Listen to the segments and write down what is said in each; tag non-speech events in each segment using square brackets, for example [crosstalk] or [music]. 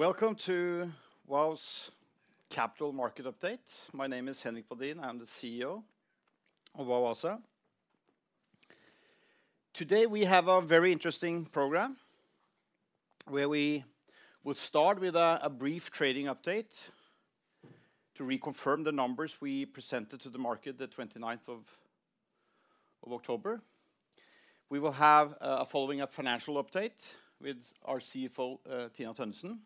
Welcome to Vow's Capital Market Update. My name is Henrik Badin. I'm the CEO of Vow ASA. Today, we have a very interesting program, where we will start with a brief trading update to reconfirm the numbers we presented to the market the 29th of October. We will have a following-up financial update with our CFO, Tina Tønnessen,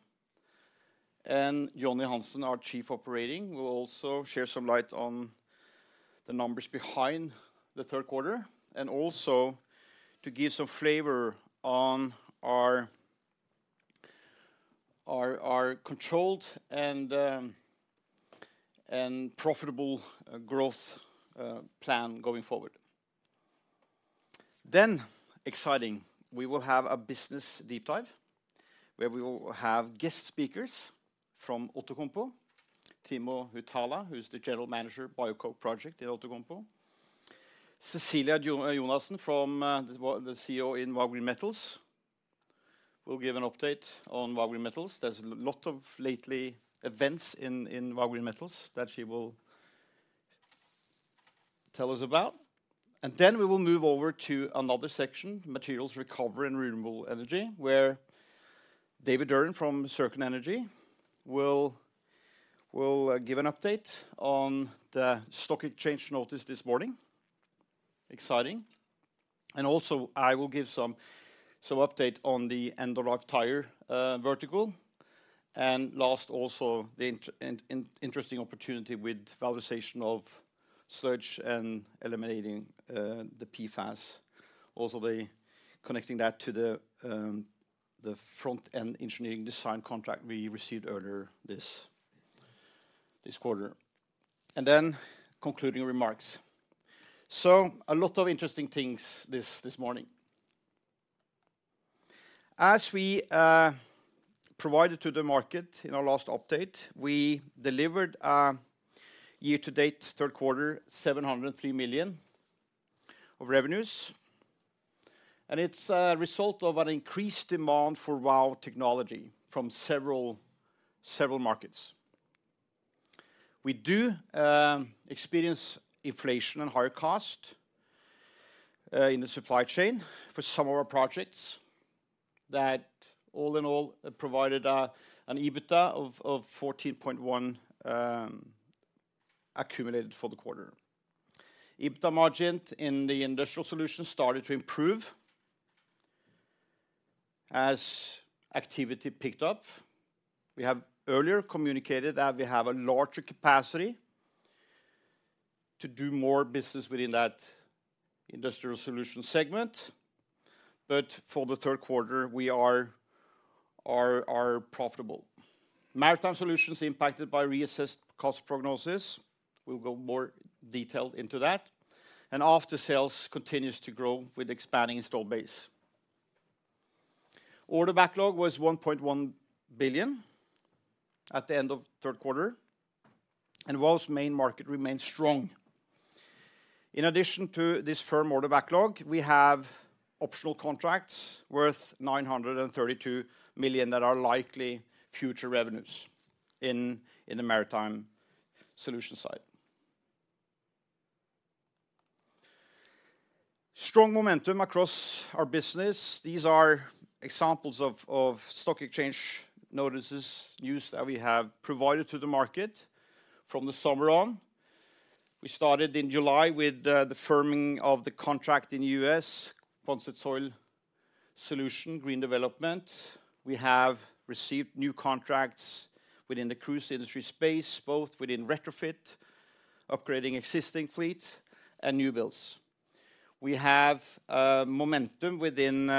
and Jonny Hansen, our Chief Operating, will also share some light on the numbers behind the third quarter, and also to give some flavor on our controlled and profitable growth plan going forward. Then, exciting, we will have a business deep dive, where we will have guest speakers from Outokumpu, Timo Huhtala, who's the General Manager, Biocoke project in Outokumpu. Cecilie Jonassen, the CEO in Vow Green Metals will give an update on Vow Green Metals. There's a lot of lately events in Vow Green Metals that she will tell us about. And then we will move over to another section, materials recovery and renewable energy, where David Duren from Circon Energy will give an update on the stock exchange notice this morning. Exciting. And also, I will give some update on the end-of-life tire vertical. And last, also, the interesting opportunity with valorization of sludge and eliminating the PFAS. Also, the connecting that to the front-end engineering design contract we received earlier this quarter. And then concluding remarks. So a lot of interesting things this morning. As we provided to the market in our last update, we delivered a year-to-date third quarter, 703 million of revenues, and it's a result of an increased demand for Vow technology from several markets. We do experience inflation and higher cost in the supply chain for some of our projects, that all in all, provided an EBITDA of 14.1 accumulated for the quarter. EBITDA margin in the Industrial Solutions started to improve as activity picked up. We have earlier communicated that we have a larger capacity to do more business within that Industrial Solutions segment, but for the third quarter, we are profitable. Maritime Solutions is impacted by reassessed cost prognosis. We'll go more detailed into that. And Aftersales continues to grow with expanding install base. Order backlog was 1.1 billion at the end of third quarter, and Vow's main market remains strong. In addition to this firm order backlog, we have optional contracts worth 932 million that are likely future revenues in the Maritime Solutions side. Strong momentum across our business. These are examples of stock exchange notices, news that we have provided to the market from the summer on. We started in July with the firming of the contract in the U.S., [Ponsetoil] Solution Green Development. We have received new contracts within the cruise industry space, both within retrofit, upgrading existing fleet and new builds. We have momentum within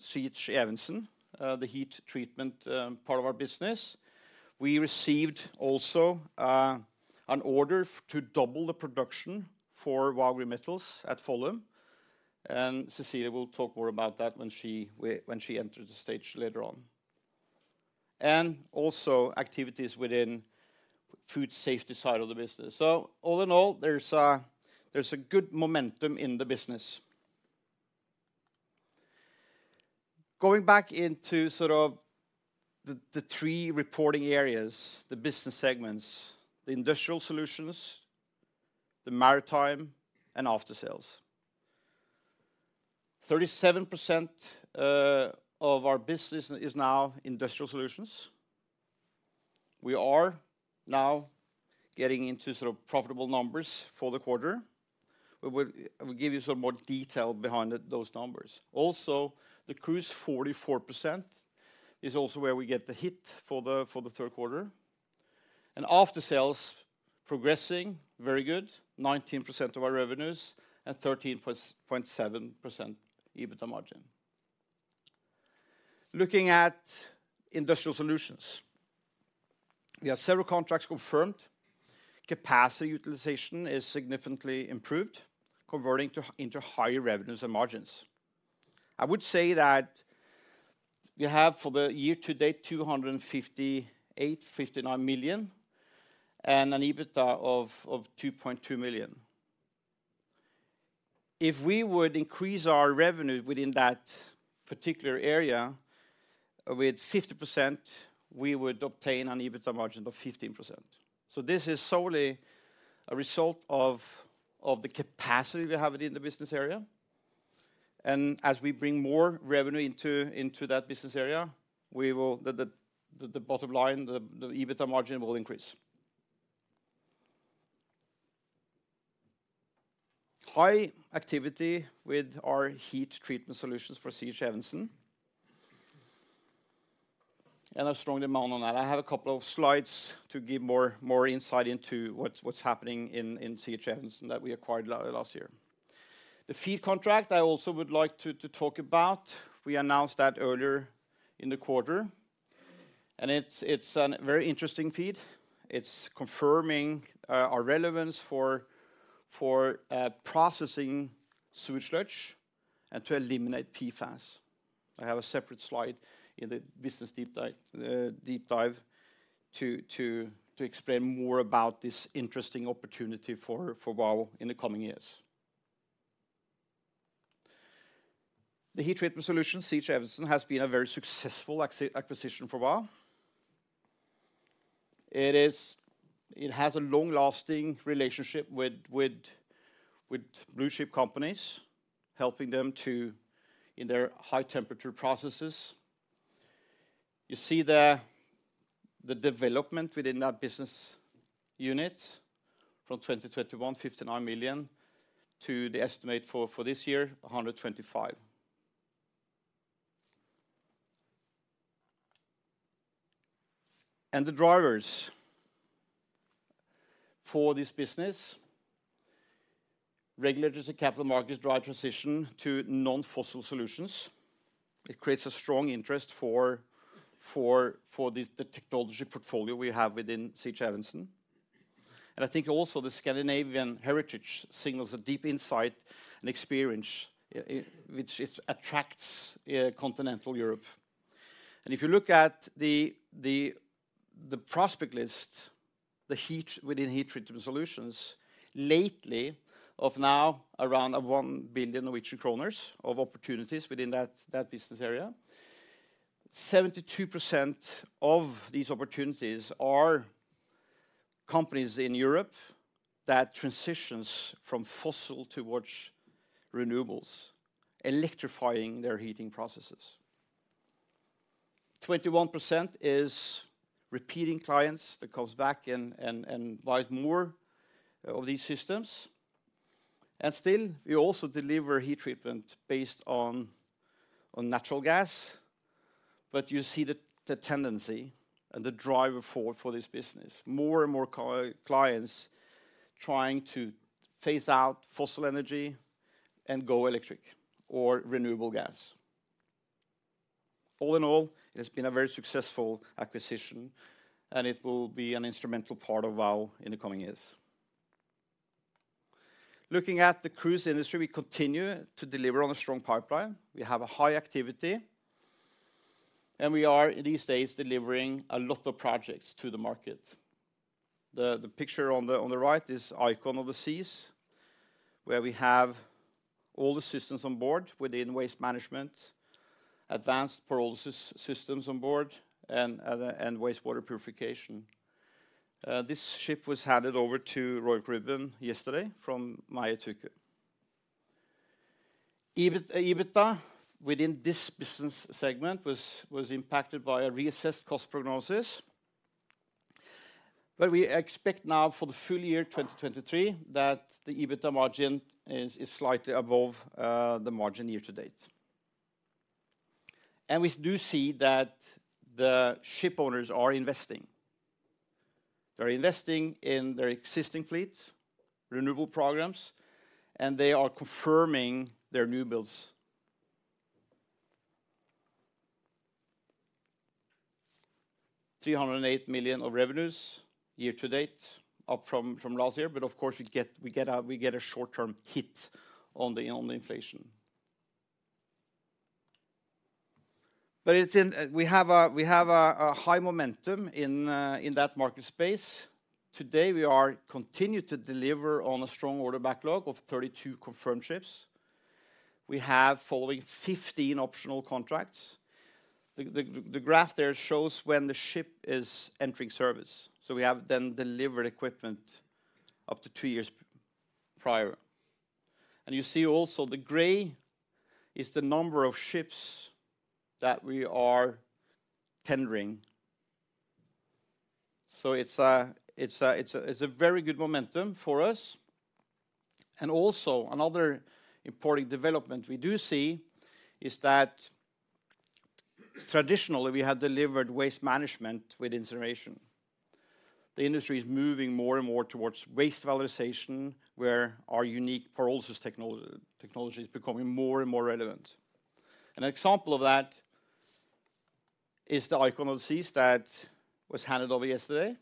C.H. Evensen, the heat treatment part of our business. We received also an order to double the production for Vow Green Metals at Follum, and Cecilie will talk more about that when she enters the stage later on. Also, activities within food safety side of the business. So, all in all, there's a good momentum in the business. Going back into sort of the three reporting areas, the business segments, the Industrial Solutions, the Maritime Solutions, and Aftersales. 37% of our business is now Industrial Solutions. We are now getting into sort of profitable numbers for the quarter. I will give you some more detail behind those numbers. Also, the cruise, 44%, is also where we get the hit for the third quarter. And Aftersales, progressing very good, 19% of our revenues and 13.7% EBITDA margin. Looking at Industrial Solutions, we have several contracts confirmed. Capacity utilization is significantly improved, converting into higher revenues and margins. I would say that we have, for the year-to-date, 258-259 million and an EBITDA of 2.2 million. If we would increase our revenue within that particular area with 50%, we would obtain an EBITDA margin of 15%. So this is solely a result of the capacity we have in the business area. And as we bring more revenue into that business area, we will the bottom line, the EBITDA margin will increase. High activity with our heat treatment solutions for C.H. Evensen, and a strong demand on that. I have a couple of slides to give more insight into what's happening in C.H. Evensen that we acquired last year. The FEED contract, I also would like to talk about. We announced that earlier in the quarter, and it's a very interesting feed. It's confirming our relevance for processing sewage sludge and to eliminate PFAS. I have a separate slide in the business deep dive to explain more about this interesting opportunity for Vow in the coming years. The heat treatment solution, C.H. Evensen, has been a very successful acquisition for Vow. It has a long-lasting relationship with blue-chip companies, helping them in their high-temperature processes. You see the development within that business unit from 2021, 59 million, to the estimate for this year, 125 million. And the drivers for this business, regulators and capital markets drive transition to non-fossil solutions. It creates a strong interest for the technology portfolio we have within C.H. Evensen. And I think also the Scandinavian heritage signals a deep insight and experience, which it attracts continental Europe. And if you look at the prospect list, the heat within heat treatment solutions, lately now around 1 billion Norwegian kroner of opportunities within that business area, 72% of these opportunities are companies in Europe that transitions from fossil towards renewables, electrifying their heating processes. 21% is repeating clients that comes back and buy more of these systems. And still, we also deliver heat treatment based on natural gas, but you see the tendency and the driver for this business. More and more clients trying to phase out fossil energy and go electric or renewable gas. All in all, it has been a very successful acquisition, and it will be an instrumental part of Vow in the coming years. Looking at the cruise industry, we continue to deliver on a strong pipeline. We have a high activity, and we are, in these days, delivering a lot of projects to the market. The picture on the right is Icon of the Seas, where we have all the systems on board within waste management, advanced pyrolysis systems on board, and wastewater purification. This ship was handed over to Royal Caribbean yesterday from Meyer Turku. EBITDA within this business segment was impacted by a reassessed cost prognosis. But we expect now for the full year 2023, that the EBITDA margin is slightly above the margin year to date. And we do see that the shipowners are investing. They're investing in their existing fleet, renewable programs, and they are confirming their new builds. 308 million of revenues year to date, up from last year, but of course, we get a short-term hit on the inflation. But it's in. We have a high momentum in that market space. Today, we are continued to deliver on a strong order backlog of 32 confirmed ships. We have following 15 optional contracts. The graph there shows when the ship is entering service, so we have then delivered equipment up to two years prior. And you see also the gray is the number of ships that we are tendering. So, it's a very good momentum for us. And also, another important development we do see is that traditionally, we had delivered waste management with incineration. The industry is moving more and more towards waste valorization, where our unique pyrolysis technology is becoming more and more relevant. An example of that is the Icon of the Seas that was handed over yesterday,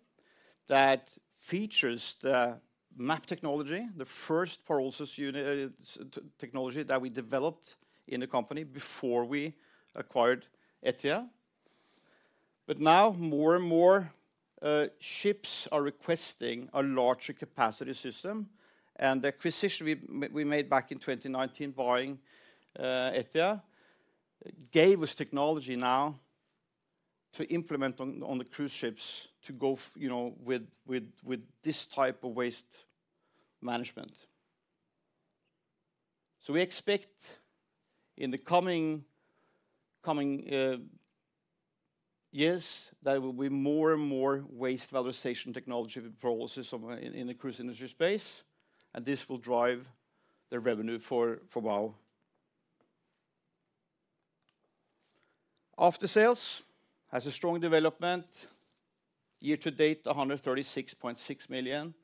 that features the MAP technology, the first pyrolysis unit, technology that we developed in the company before we acquired Etia. But now more and more, ships are requesting a larger capacity system, and the acquisition we made back in 2019, buying Etia, gave us technology now to implement on the cruise ships to go you know, with this type of waste management. So, we expect in the coming years, there will be more and more waste valorization technology processes in the cruise industry space, and this will drive the revenue for Vow. Aftersales has a strong development. Year to date, 136.6 million.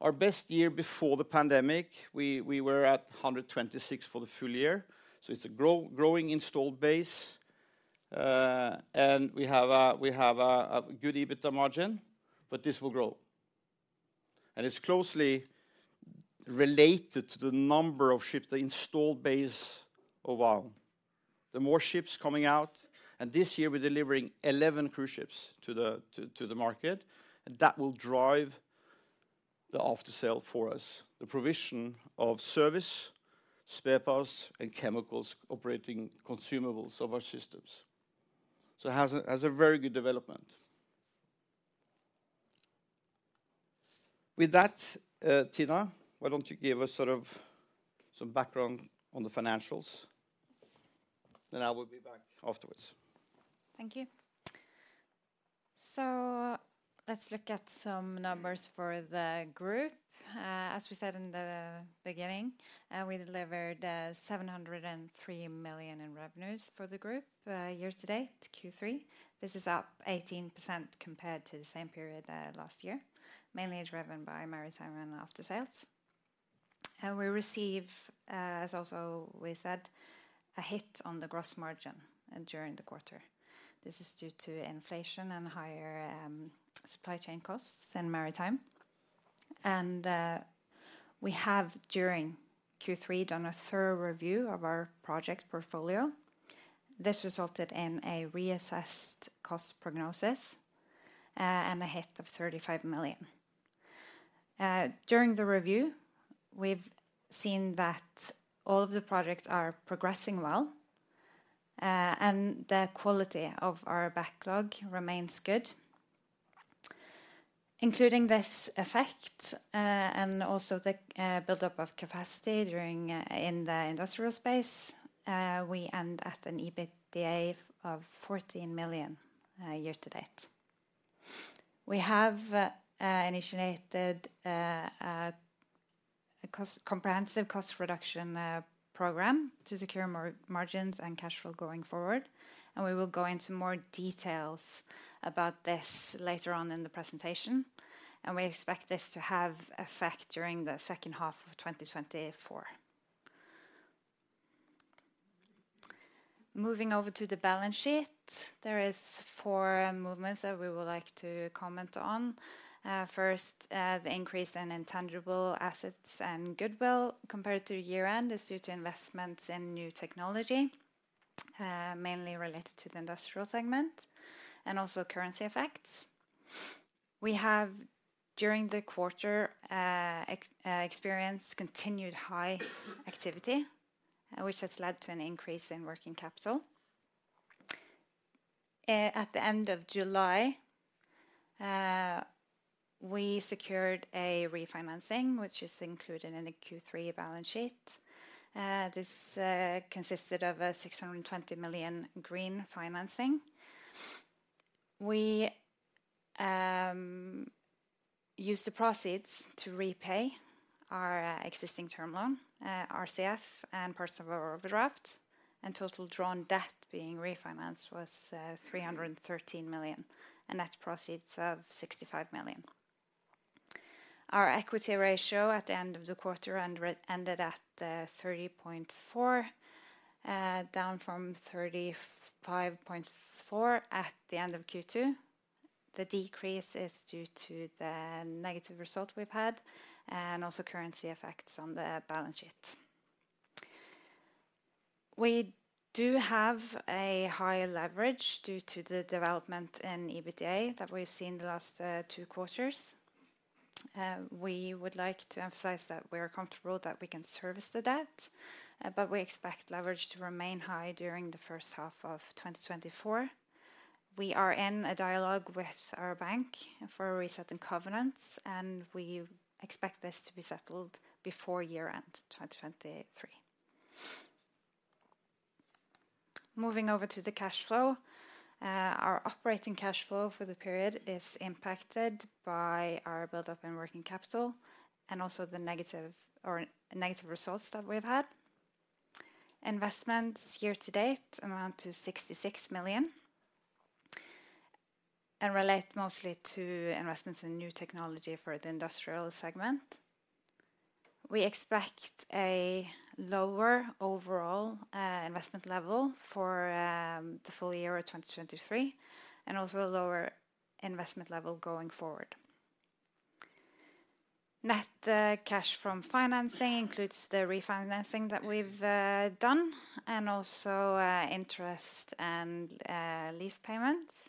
Our best year before the pandemic, we were at 126 million for the full year, so it's a growing installed base. And we have a good EBITDA margin, but this will grow. And it's closely related to the number of ships, the installed base of Vow. The more ships coming out, and this year we're delivering 11 cruise ships to the market, and that will drive the aftersales for us, the provision of service, spare parts and chemicals, operating consumables of our systems. So, it has a very good development. With that, Tina, why don't you give us sort of some background on the financials? Yes. Then I will be back afterwards. Thank you. So, let's look at some numbers for the group. As we said in the beginning, we delivered 703 million in revenues for the group year to date, Q3. This is up 18% compared to the same period last year, mainly driven by Maritime and Aftersales. And we receive, as also we said, a hit on the gross margin during the quarter. This is due to inflation and higher supply chain costs in Maritime. And we have, during Q3, done a thorough review of our project portfolio. This resulted in a reassessed cost prognosis and a hit of 35 million. During the review, we've seen that all of the projects are progressing well and the quality of our backlog remains good. Including this effect, and also the buildup of capacity during in the industrial space, we end at an EBITDA of 14 million year to date. We have initiated a comprehensive cost reduction program to secure more margins and cash flow going forward, and we will go into more details about this later on in the presentation, and we expect this to have effect during the second half of 2024. Moving over to the balance sheet, there are four movements that we would like to comment on. First, the increase in intangible assets and goodwill compared to year-end is due to investments in new technology, mainly related to the industrial segment, and also currency effects. We have, during the quarter, experienced continued high activity, which has led to an increase in working capital. At the end of July, we secured a refinancing, which is included in the Q3 balance sheet. This consisted of a 620 million green financing. We used the proceeds to repay our existing term loan, RCF, and parts of our overdraft, and total drawn debt being refinanced was 313 million, and net proceeds of 65 million. Our equity ratio at the end of the quarter ended at 30.4, down from 35.4 at the end of Q2. The decrease is due to the negative result we've had, and also currency effects on the balance sheet. We do have a higher leverage due to the development in EBITDA that we've seen in the last wo quarters. We would like to emphasize that we are comfortable that we can service the debt, but we expect leverage to remain high during the first half of 2024. We are in a dialogue with our bank for a reset in covenants, and we expect this to be settled before year-end 2023. Moving over to the cash flow, our operating cash flow for the period is impacted by our buildup in working capital and also the negative results that we've had. Investments year to date amount to 66 million and relate mostly to investments in new technology for the industrial segment. We expect a lower overall investment level for the full year of 2023, and also a lower investment level going forward. Net cash from financing includes the refinancing that we've done, and also interest and lease payments.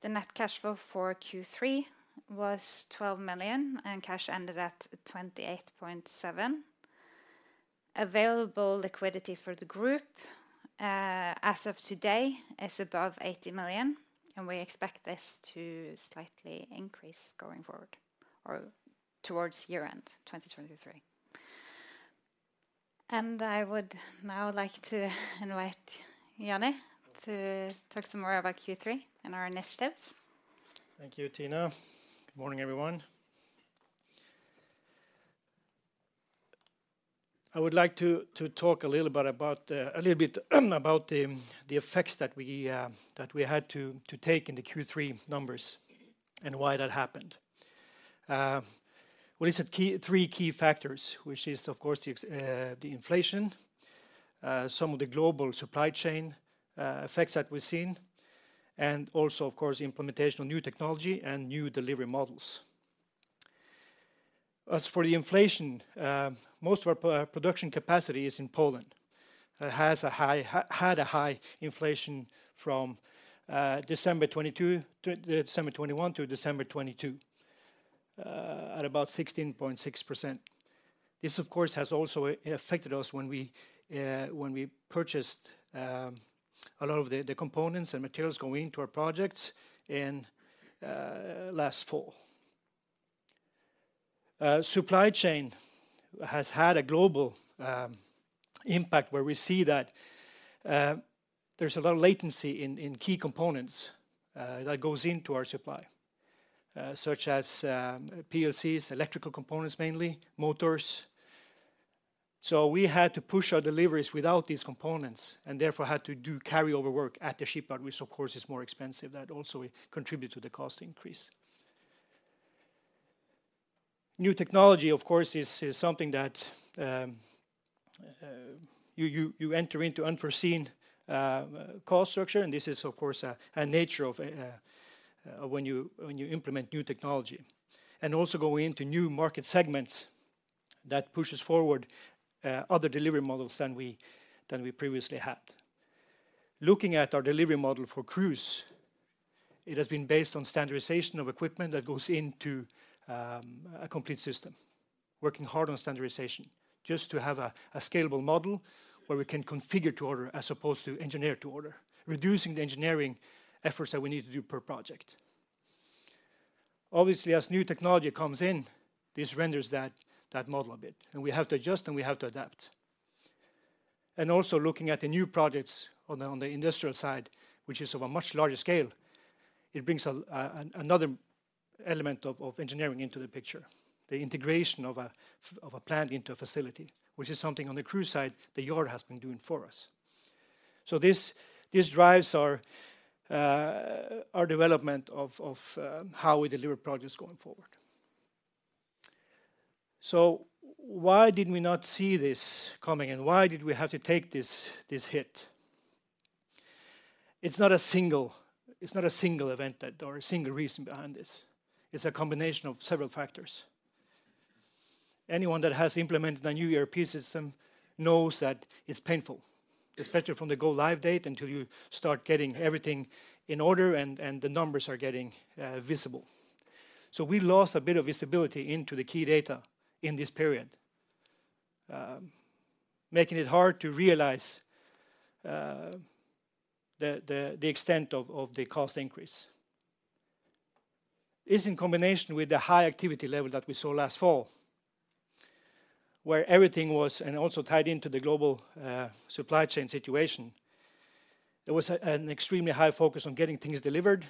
The net cash flow for Q3 was 12 million, and cash ended at 28.7 million. Available liquidity for the group, as of today, is above 80 million, and we expect this to slightly increase going forward or towards year-end 2023. I would now like to invite Jonny to talk some more about Q3 and our initiatives. Thank you, Tina. Good morning, everyone. I would like to talk a little bit about the effects that we had to take in the Q3 numbers and why that happened. Well, it's three key factors, which is, of course, the inflation, some of the global supply chain effects that we've seen, and also, of course, implementation of new technology and new delivery models. As for the inflation, most of our production capacity is in Poland. It had a high inflation from December 2022 to December 2021 to December 2022 at about 16.6%. This, of course, has also affected us when we purchased a lot of the components and materials going into our projects in last fall. Supply chain has had a global impact, where we see that there's a lot of latency in key components that goes into our supply, such as PLCs, electrical components mainly, motors. So, we had to push our deliveries without these components and therefore had to do carryover work at the shipyard, which of course is more expensive. That also contribute to the cost increase. New technology, of course, is something that you enter into unforeseen cost structure, and this is of course a nature of when you implement new technology. Also going into new market segments that pushes forward other delivery models than we previously had. Looking at our delivery model for cruise, it has been based on standardization of equipment that goes into a complete system, working hard on standardization, just to have a scalable model where we can configure to order as opposed to engineer to order, reducing the engineering efforts that we need to do per project. Obviously, as new technology comes in, this renders that model a bit, and we have to adjust, and we have to adapt. And also looking at the new projects on the industrial side, which is of a much larger scale, it brings another element of engineering into the picture, the integration of a plant into a facility, which is something on the cruise side the yard has been doing for us. So, this drives our development of how we deliver projects going forward. So, why did we not see this coming, and why did we have to take this hit? It's not a single event or a single reason behind this. It's a combination of several factors. Anyone that has implemented a new ERP system knows that it's painful, especially from the go-live date until you start getting everything in order and the numbers are getting visible. So, we lost a bit of visibility into the key data in this period, making it hard to realize the extent of the cost increase. This in combination with the high activity level that we saw last fall, where everything was and also tied into the global supply chain situation, there was an extremely high focus on getting things delivered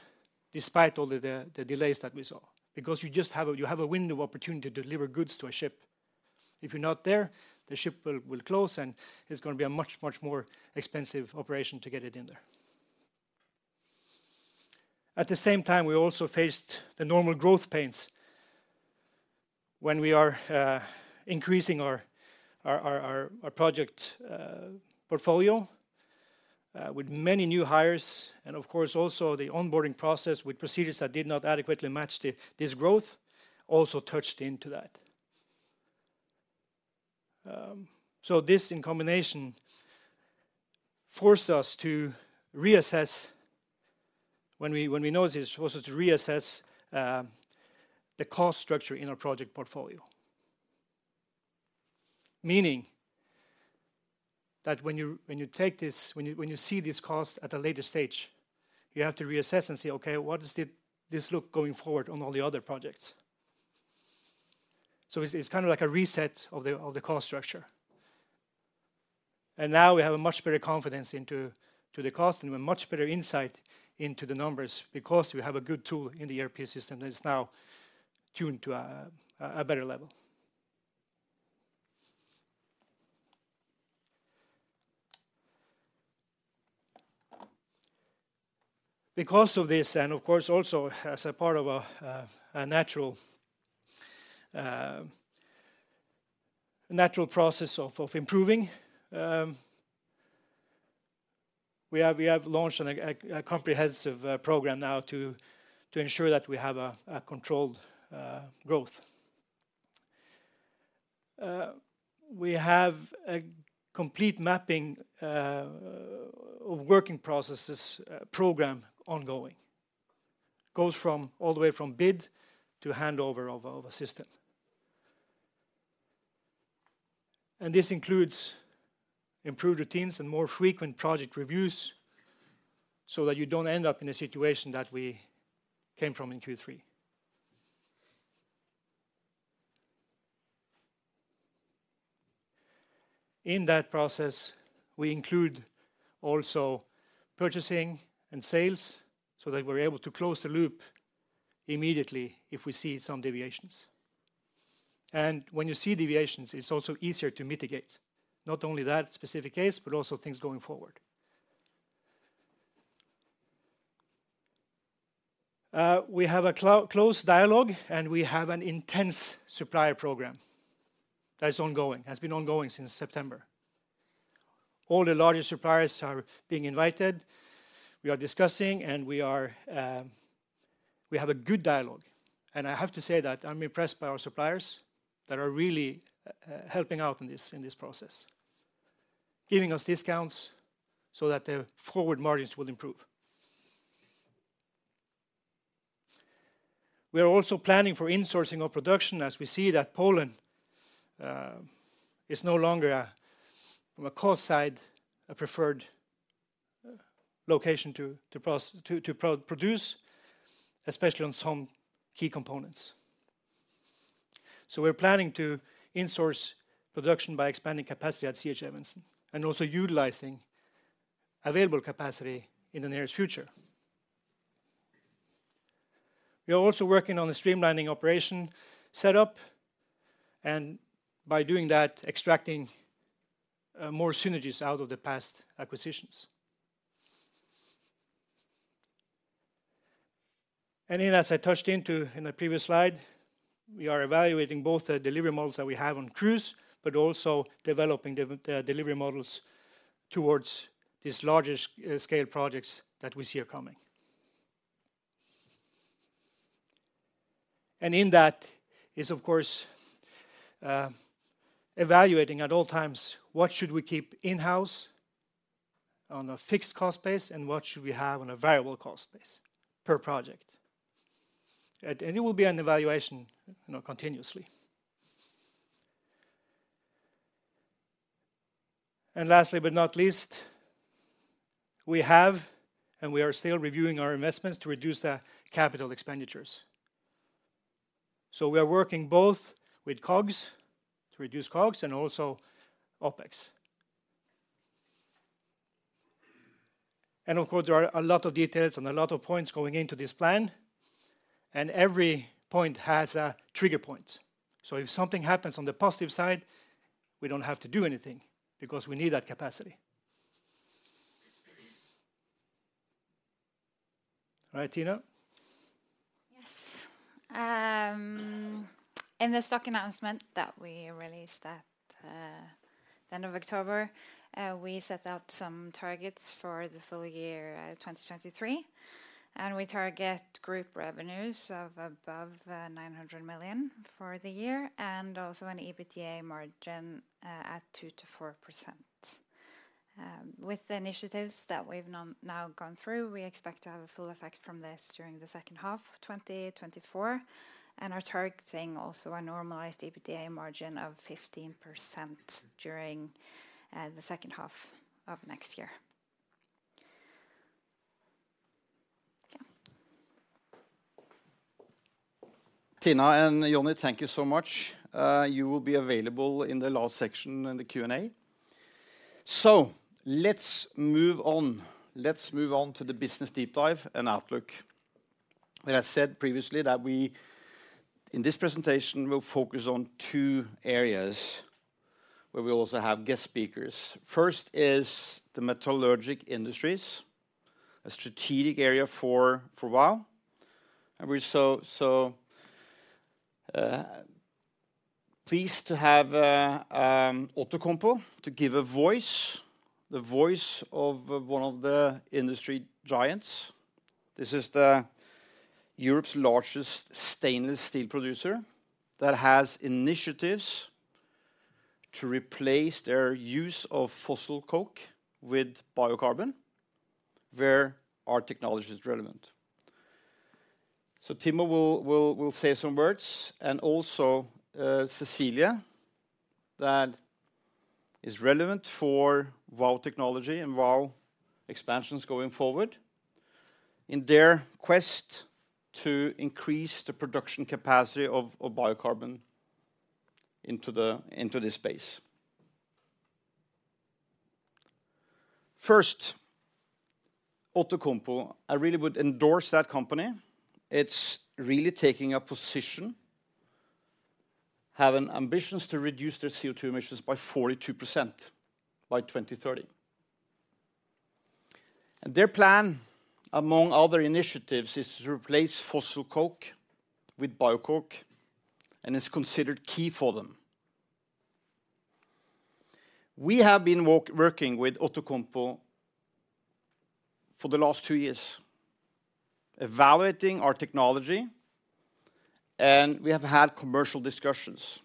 despite all the delays that we saw, because you just have a window of opportunity to deliver goods to a ship. If you're not there, the ship will close, and it's gonna be a much more expensive operation to get it in there. At the same time, we also faced the normal growth pains when we are increasing our project portfolio with many new hires, and of course, also the onboarding process with procedures that did not adequately match this growth, also touched into that. So, this, in combination, forced us to reassess. When we noticed this, forced us to reassess the cost structure in our project portfolio. Meaning, that when you see this cost at a later stage, you have to reassess and say, "Okay, what does this look going forward on all the other projects?" So, it's kind of like a reset of the cost structure. Now we have a much better confidence into the cost and a much better insight into the numbers because we have a good tool in the ERP system that is now tuned to a better level. Because of this, and of course, also as a part of a natural process of improving, we have launched a comprehensive program now to ensure that we have a controlled growth. We have a complete mapping of working processes program ongoing. It goes all the way from bid to handover of a system. And this includes improved routines and more frequent project reviews, so that you don't end up in a situation that we came from in Q3. In that process, we include also purchasing and sales, so that we're able to close the loop immediately if we see some deviations. When you see deviations, it's also easier to mitigate, not only that specific case, but also things going forward. We have a close dialogue, and we have an intense supplier program that is ongoing, has been ongoing since September. All the larger suppliers are being invited. We are discussing, and we are, we have a good dialogue, and I have to say that I'm impressed by our suppliers that are really, helping out in this, in this process, giving us discounts so that the forward margins will improve. We are also planning for insourcing our production, as we see that Poland, is no longer a, from a cost side, a preferred, location to, to pros to produce, especially on some key components. So, we're planning to in-source production by expanding capacity at C.H. Evensen and also utilizing available capacity in the near future. We are also working on the streamlining operation setup, and by doing that, extracting more synergies out of the past acquisitions. And then, as I touched into in the previous slide, we are evaluating both the delivery models that we have on cruise but also developing the delivery models towards these larger scale projects that we see are coming. And in that is, of course, evaluating at all times what should we keep in-house on a fixed cost base, and what should we have on a variable cost base per project? At the end, it will be an evaluation, you know, continuously. Last but not least, we have, and we are still reviewing our investments to reduce the capital expenditures. We are working both with COGS to reduce COGS and also OpEx. Of course, there are a lot of details and a lot of points going into this plan, and every point has a trigger point. If something happens on the positive side, we don't have to do anything because we need that capacity. All right, Tina? Yes. In the stock announcement that we released at the end of October, we set out some targets for the full year 2023, and we target group revenues of above 900 million for the year, and also an EBITDA margin at 2%-4%. With the initiatives that we've now gone through, we expect to have a full effect from this during the second half of 2024, and are targeting also a normalized EBITDA margin of 15% during the second half of next year. Yeah. Tina and Johnny, thank you so much. You will be available in the last section in the Q&A. So, let's move on. Let's move on to the business deep dive and outlook. And I said previously that we, in this presentation, will focus on two areas, where we also have guest speakers. First is the metallurgic industries, a strategic area for, for a while, and we're so pleased to have Outokumpu to give a voice, the voice of one of the industry giants. This is Europe's largest stainless-steel producer that has initiatives to replace their use of fossil coke with biocarbon, where our technology is relevant. Timo will say some words, and also, Cecilie, that is relevant for Vow Technology and Vow expansions going forward in their quest to increase the production capacity of biocarbon into this space. First, Outokumpu, I really would endorse that company. It's really taking a position, having ambitions to reduce their CO2 emissions by 42% by 2030. Their plan, among other initiatives, is to replace fossil coke with biocoke and is considered key for them. We have been working with Outokumpu for the last two years, evaluating our technology, and we have had commercial discussions.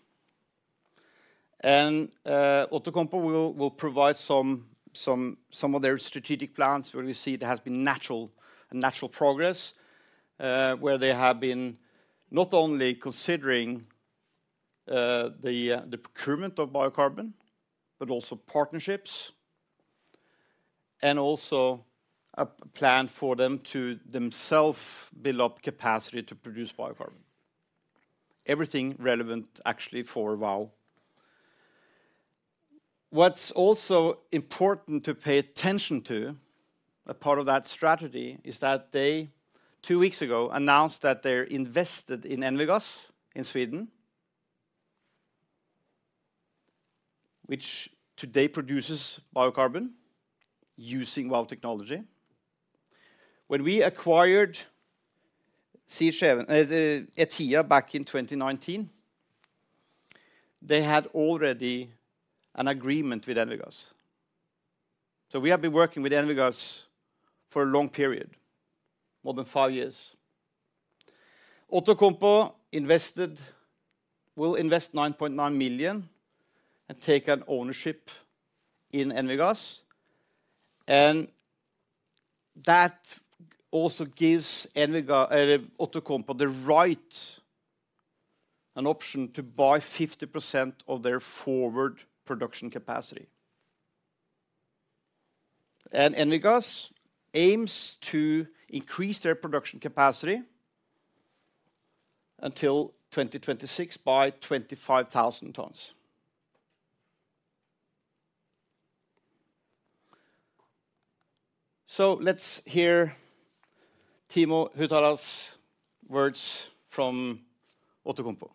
Outokumpu will provide some of their strategic plans, where we see there has been a natural progress, where they have been not only considering the procurement of biocarbon, but also partnerships, and also a plan for them to themselves build up capacity to produce biocarbon. Everything relevant actually for Vow. What's also important to pay attention to, a part of that strategy, is that they two weeks ago announced that they're invested in Envigas in Sweden, which today produces biocarbon using Vow technology. When we acquired Etia back in 2019, they had already an agreement with Envigas. So we have been working with Envigas for a long period, more than five years. Outokumpu will invest 9.9 million and take an ownership in Envigas, and that also gives Envigas, Outokumpu the right and option to buy 50% of their forward production capacity. Envigas aims to increase their production capacity until 2026, by 25,000 tons. So let's hear Timo Huhtala's words from Outokumpu.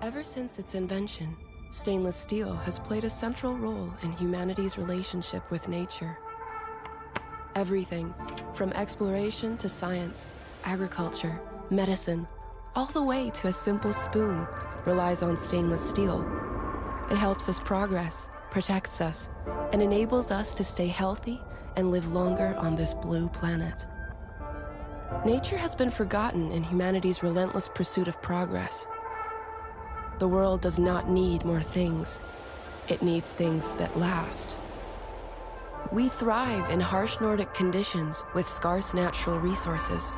Ever since its invention, stainless steel has played a central role in humanity's relationship with nature. Everything from exploration to science, agriculture, medicine, all the way to a simple spoon, relies on stainless steel. It helps us progress, protects us, and enables us to stay healthy and live longer on this blue planet. Nature has been forgotten in humanity's relentless pursuit of progress. The world does not need more things. It needs things that last. We thrive in harsh Nordic conditions with scarce natural resources.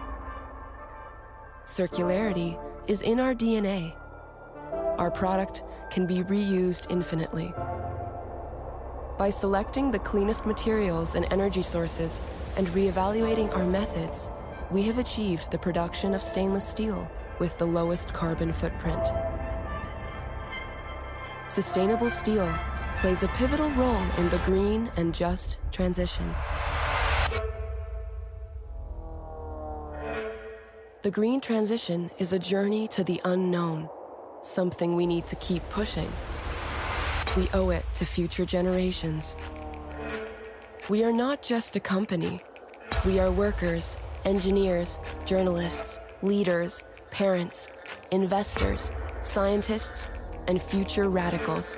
Circularity is in our DNA. Our product can be reused infinitely. By selecting the cleanest materials and energy sources and reevaluating our methods, we have achieved the production of stainless steel with the lowest carbon footprint. Sustainable steel plays a pivotal role in the green and just transition. The green transition is a journey to the unknown, something we need to keep pushing. We owe it to future generations. We are not just a company, we are workers, engineers, journalists, leaders, parents, investors, scientists, and future radicals.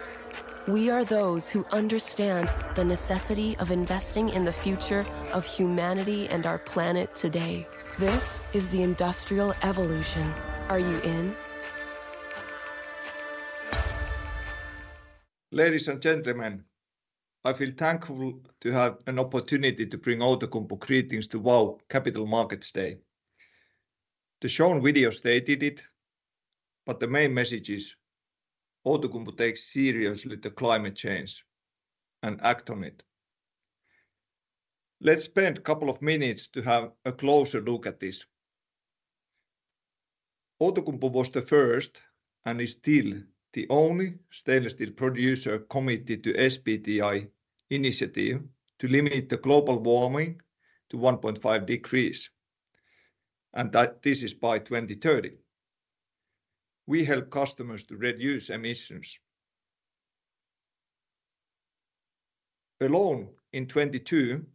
We are those who understand the necessity of investing in the future of humanity and our planet today. This is the Industrial Evolution. Are you in? Ladies and gentlemen, I feel thankful to have an opportunity to bring Outokumpu greetings to Vow Capital Markets Day. The shown video stated it, but the main message is Outokumpu takes seriously the climate change and act on it. Let's spend a couple of minutes to have a closer look at this. Outokumpu was the first, and is still the only, stainless steel producer committed to SBTi initiative to limit the global warming to 1.5 degrees, and that this is by 2030. We help customers to reduce emissions. Alone in 2022,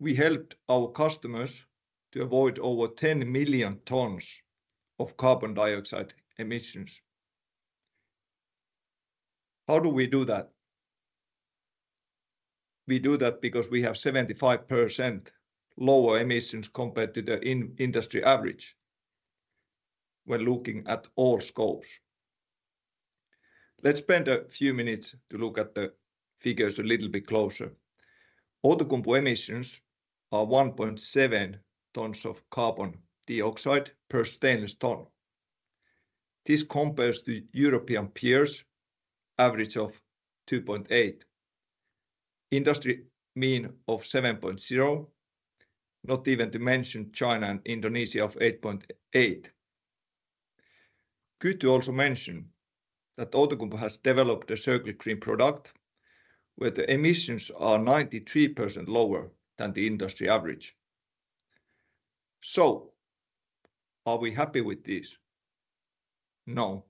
we helped our customers to avoid over 10 million tons of carbon dioxide emissions. How do we do that? We do that because we have 75% lower emissions compared to the industry average, when looking at all scopes. Let's spend a few minutes to look at the figures a little bit closer. Outokumpu emissions are 1.7 tons of carbon dioxide per stainless ton. This compares to European peers average of 2.8, industry mean of 7.0, not even to mention China and Indonesia of 8.8. Good to also mention that Outokumpu has developed a Circular Green product, where the emissions are 93% lower than the industry average. So, are we happy with this? No.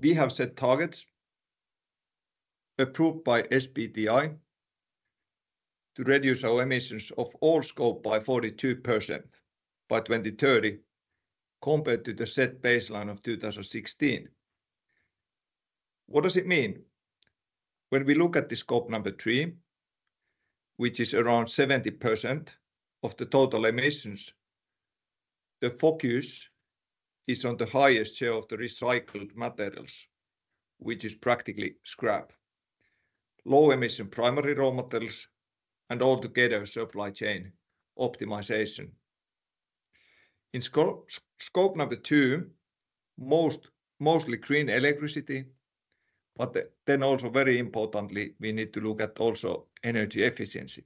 We have set targets approved by SBTi to reduce our emissions of all scope by 42% by 2030, compared to the set baseline of 2016. What does it mean? When we look at the Scope 3, which is around 70% of the total emissions, the focus is on the highest share of the recycled materials, which is practically scrap, low emission primary raw materials, and altogether supply chain optimization. In Scope 2, mostly green electricity, but then also very importantly, we need to look at also energy efficiency.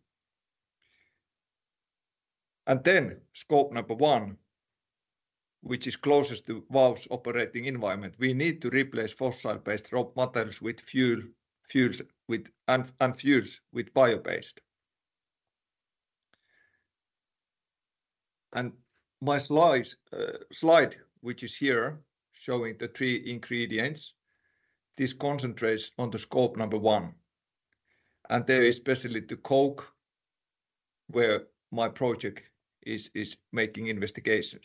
And then Scope 1, which is closest to Vow's operating environment, we need to replace fossil-based raw materials with fuel, fuels with, and, and fuels with bio-based. And my slide, which is here, showing the three ingredients, this concentrates on the Scope 1, and there, especially the coke, where my project is making investigations.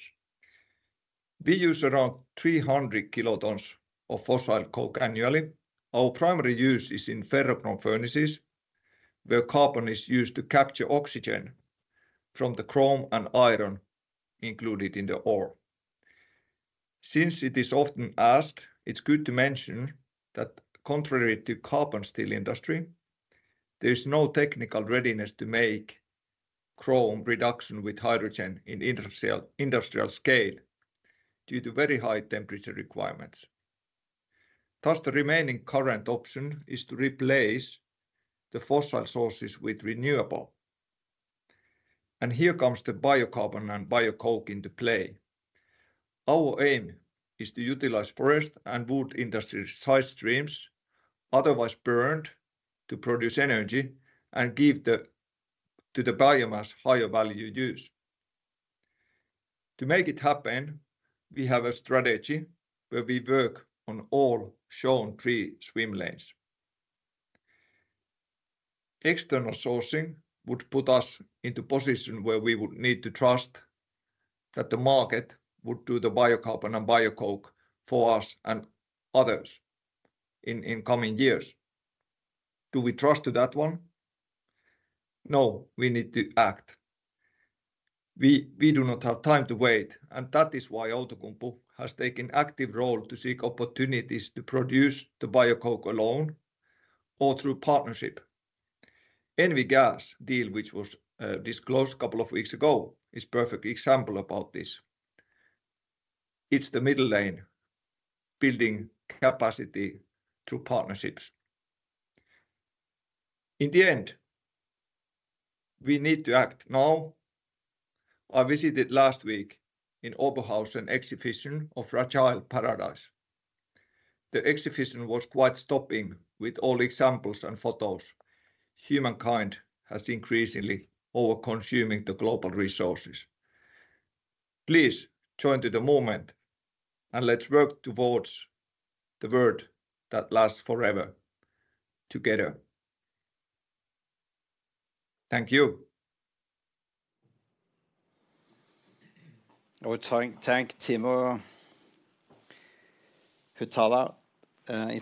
We use around 300 kilotons of fossil coke annually. Our primary use is in ferrochrome furnaces, where carbon is used to capture oxygen from the chrome and iron included in the ore. Since it is often asked, it's good to mention that contrary to carbon steel industry, there's no technical readiness to make chrome reduction with hydrogen in industrial scale due to very high temperature requirements. Thus, the remaining current option is to replace the fossil sources with renewable. And here comes the biocarbon and biocoal in the play. Our aim is to utilize forest and wood industry side streams, otherwise burned, to produce energy and give to the biomass higher value use. To make it happen, we have a strategy where we work on all shown three swim lanes. External sourcing would put us into position where we would need to trust that the market would do the biocarbon and biocoal for us and others in coming years. Do we trust to that one? No, we need to act. We do not have time to wait, and that is why Outokumpu has taken active role to seek opportunities to produce the biocoal alone or through partnership. Envigas deal, which was disclosed couple of weeks ago, is perfect example about this. It's the middle lane, building capacity through partnerships. In the end, we need to act now. I visited last week in Oberhausen Exhibition of Fragile Paradise. The exhibition was quite stopping with all examples and photos. Humankind has increasingly over-consuming the global resources. Please join to the movement, and let's work towards the world that lasts forever together. Thank you. I would thank Timo Huhtala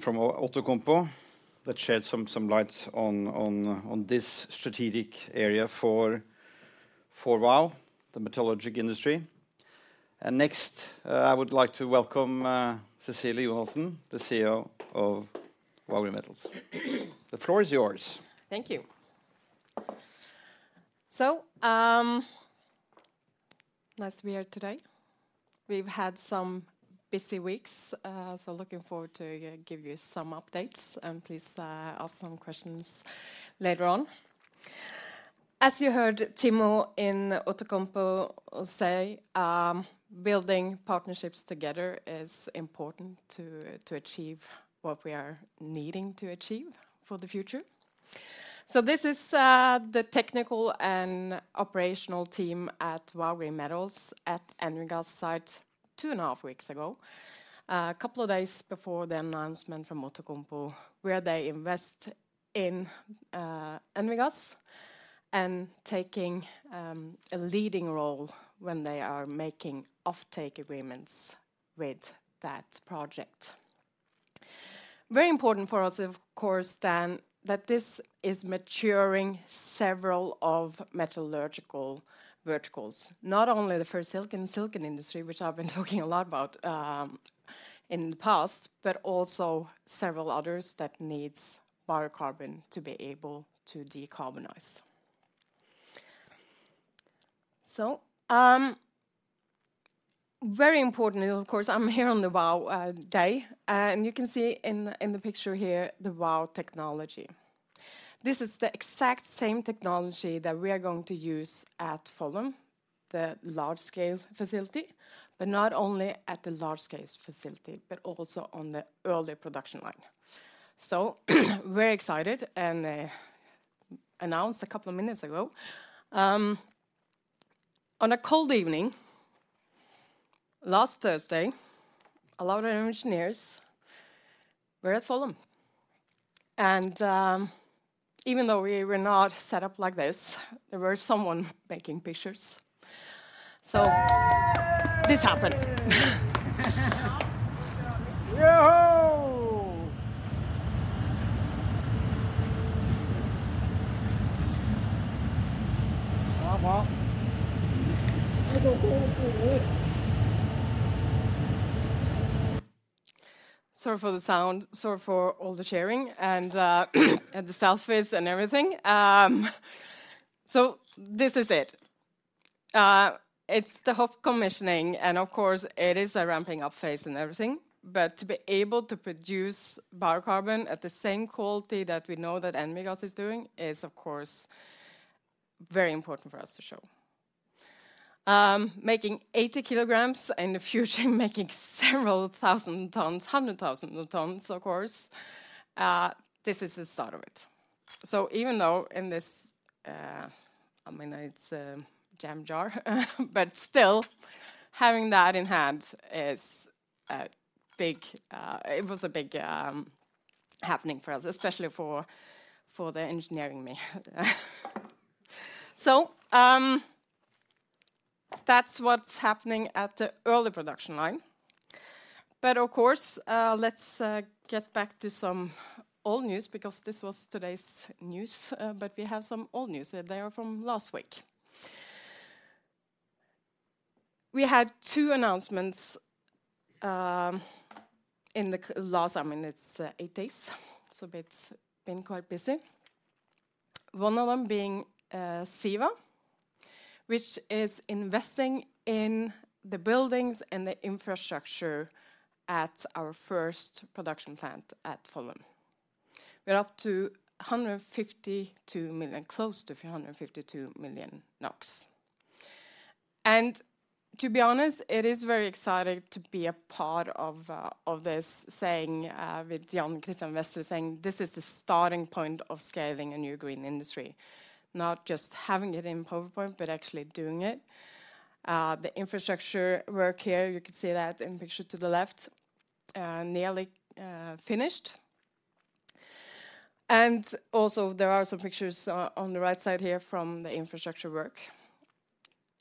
from Outokumpu that shed some light on this strategic area for Vow, the metallurgical industry. Next, I would like to welcome Cecilie Jonassen, the CEO of Vow Green Metals. The floor is yours. Thank you. So, nice to be here today. We've had some busy weeks, so looking forward to give you some updates, and please ask some questions later on. As you heard Timo in Outokumpu say, building partnerships together is important to achieve what we are needing to achieve for the future. So, this is the technical and operational team at Vow Green Metals at Envigas site two and a half weeks ago, a couple of days before the announcement from Outokumpu, where they invest in Envigas, and taking a leading role when they are making offtake agreements with that project. Very important for us, of course, then, that this is maturing several of metallurgical verticals. Not only the ferrosilicon, silicon industry, which I've been talking a lot about, in the past, but also several others that needs biocarbon to be able to decarbonize. So, very importantly, of course, I'm here on the Vow, day, and you can see in, in the picture here, the Vow technology. This is the exact same technology that we are going to use at Follum, the large-scale facility, but not only at the large-scale facility, but also on the early production line. So very excited, and, announced a couple of minutes ago. On a cold evening, last Thursday, a lot of our engineers were at Follum. And, even though we were not set up like this, there were someone making pictures. This happened. Yoho! Sorry for the sound, sorry for all the sharing, and the selfies and everything. So, this is it. It's the half commissioning, and of course, it is a ramping up phase and everything, but to be able to produce biocarbon at the same quality that we know that Envigas is doing, is of course, very important for us to show. Making 80 kilograms, in the future, making several thousand tons, 100,000 tons, of course, this is the start of it. So even though in this, I mean, it's a jam jar, but still, having that in hand is a big... It was a big, happening for us, especially for the engineering me. So, that's what's happening at the early production line. But of course, let's get back to some old news, because this was today's news, but we have some old news. They are from last week. We had two announcements in the last. I mean, it's eight days, so it's been quite busy. One of them being Siva, which is investing in the buildings and the infrastructure at our first production plant at Follum. We're up to 152 million, close to 152 million NOK. And to be honest, it is very exciting to be a part of this, saying, with Jan Christian Vestre saying, "This is the starting point of scaling a new green industry." Not just having it in PowerPoint, but actually doing it. The infrastructure work here, you can see that in picture to the left, nearly finished. And also, there are some pictures on the right side here from the infrastructure work.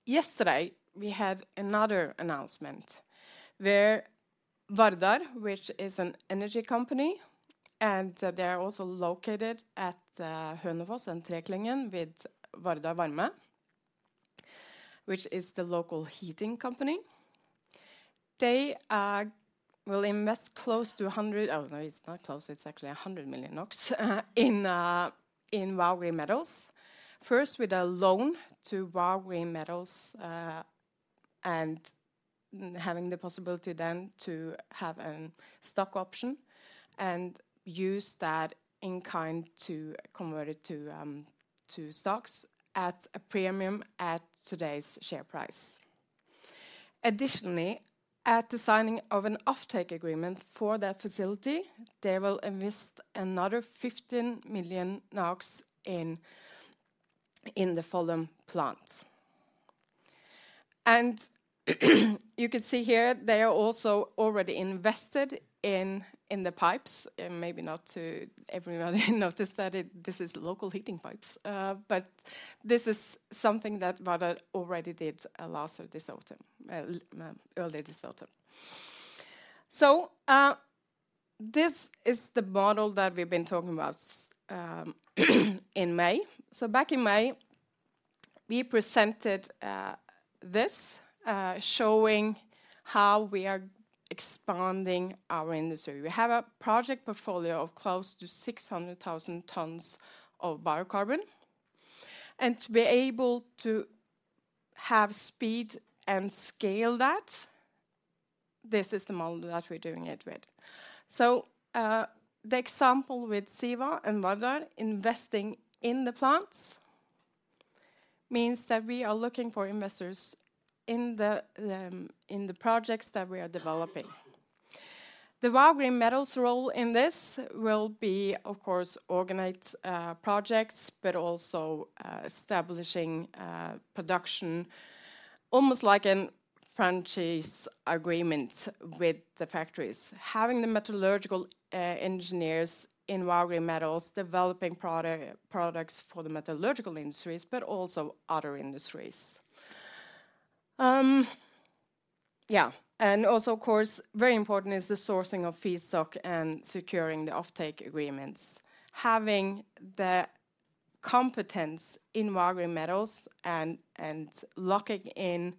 Yesterday, we had another announcement, where Vardar, which is an energy company, and they are also located at Hønefoss and Treklyngen, with Vardar Varme, which is the local heating company. They will invest close to a hundred... Oh, no, it's not close, it's actually 100 million NOK in Vow Green Metals. First, with a loan to Vow Green Metals, and having the possibility then to have a stock option, and use that in kind to convert it to stocks at a premium at today's share price. Additionally, at the signing of an offtake agreement for that facility, they will invest another 15 million in the Follum plant. And you can see here, they are also already invested in the pipes. Maybe not everybody noticed that it, this is local heating pipes, but this is something that Vardar already did last this autumn, early this autumn. This is the model that we've been talking about in May. So back in May, we presented this showing how we are expanding our industry. We have a project portfolio of close to 600,000 tons of biocarbon, and to be able to have speed and scale that, this is the model that we're doing it with. So, the example with Siva and Vardar investing in the plants means that we are looking for investors in the in the projects that we are developing. The Vow Green Metals role in this will be, of course, organize projects, but also establishing production, almost like a franchise agreement with the factories. Having the metallurgical engineers in Vow Green Metals, developing products for the metallurgical industries, but also other industries. Yeah, and also, of course, very important is the sourcing of feedstock and securing the offtake agreements. Having the competence in Vow Green Metals and locking in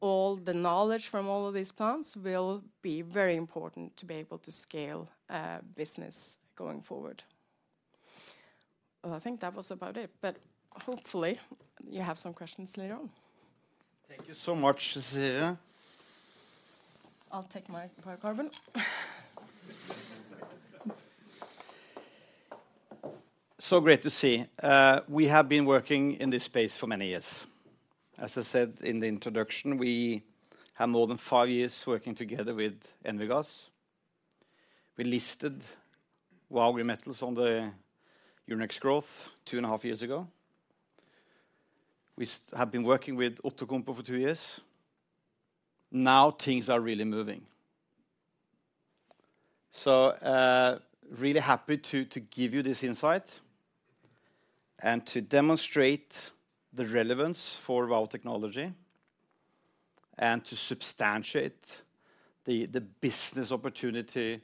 all the knowledge from all of these plants, will be very important to be able to scale business going forward. Well, I think that was about it, but hopefully, you have some questions later on. Thank you so much, Cecilie. I'll take my Biocarbon. So great to see. We have been working in this space for many years. As I said in the introduction, we have more than five years working together with Envigas. We listed Vow Green Metals on the Euronext Growth 2.5 years ago. We have been working with Outokumpu for two years. Now, things are really moving. So, really happy to give you this insight and to demonstrate the relevance for Vow technology and to substantiate the business opportunity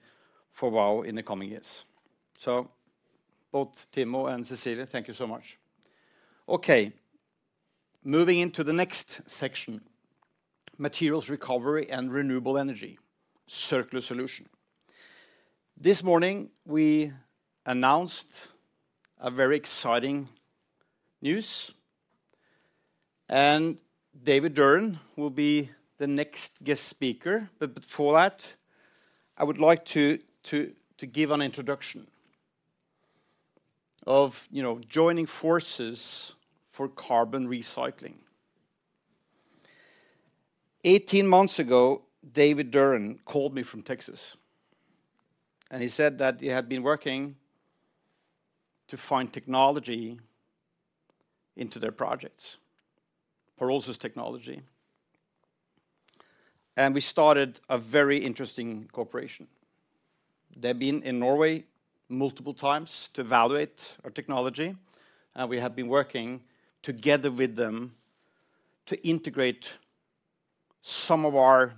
for Vow in the coming years. So both Timo and Cecilie, thank you so much. Okay, moving into the next section: materials recovery and renewable energy, circular solution. This morning, we announced a very exciting news, and David Duren will be the next guest speaker. But before that, I would like to give an introduction of, you know, joining forces for carbon recycling. 18 months ago, David Duren called me from Texas, and he said that he had been working to find technology into their projects, pyrolysis technology, and we started a very interesting cooperation. They've been in Norway multiple times to evaluate our technology, and we have been working together with them to integrate some of our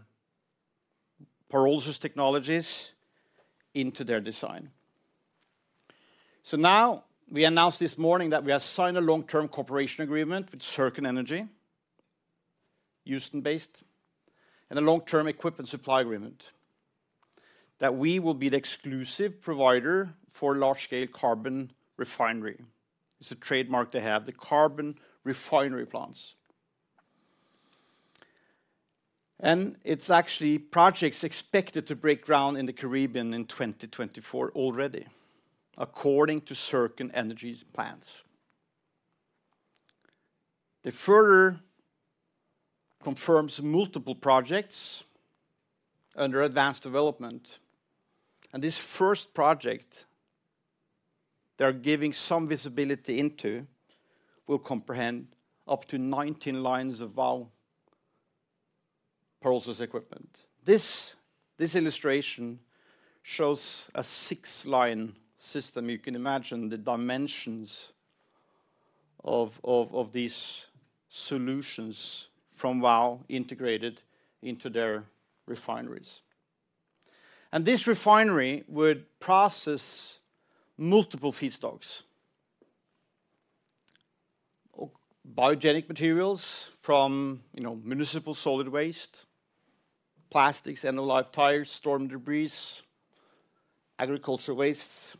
pyrolysis technologies into their design. So now, we announced this morning that we have signed a long-term cooperation agreement with Circon Energy, Houston-based, and a long-term equipment supply agreement, that we will be the exclusive provider for large-scale carbon refinery. It's a trademark to have the carbon refinery plants. And it's actually projects expected to break ground in the Caribbean in 2024 already, according to Circon Energy's plans. They further confirms multiple projects under advanced development, and this first project they are giving some visibility into will comprehend up to 19 lines of Vow pyrolysis equipment. This illustration shows a 6-line system. You can imagine the dimensions of these solutions from Vow integrated into their refineries. And this refinery would process multiple feedstocks or biogenic materials from, you know, municipal solid waste, plastics, end-of-life tires, storm debris, agriculture wastes,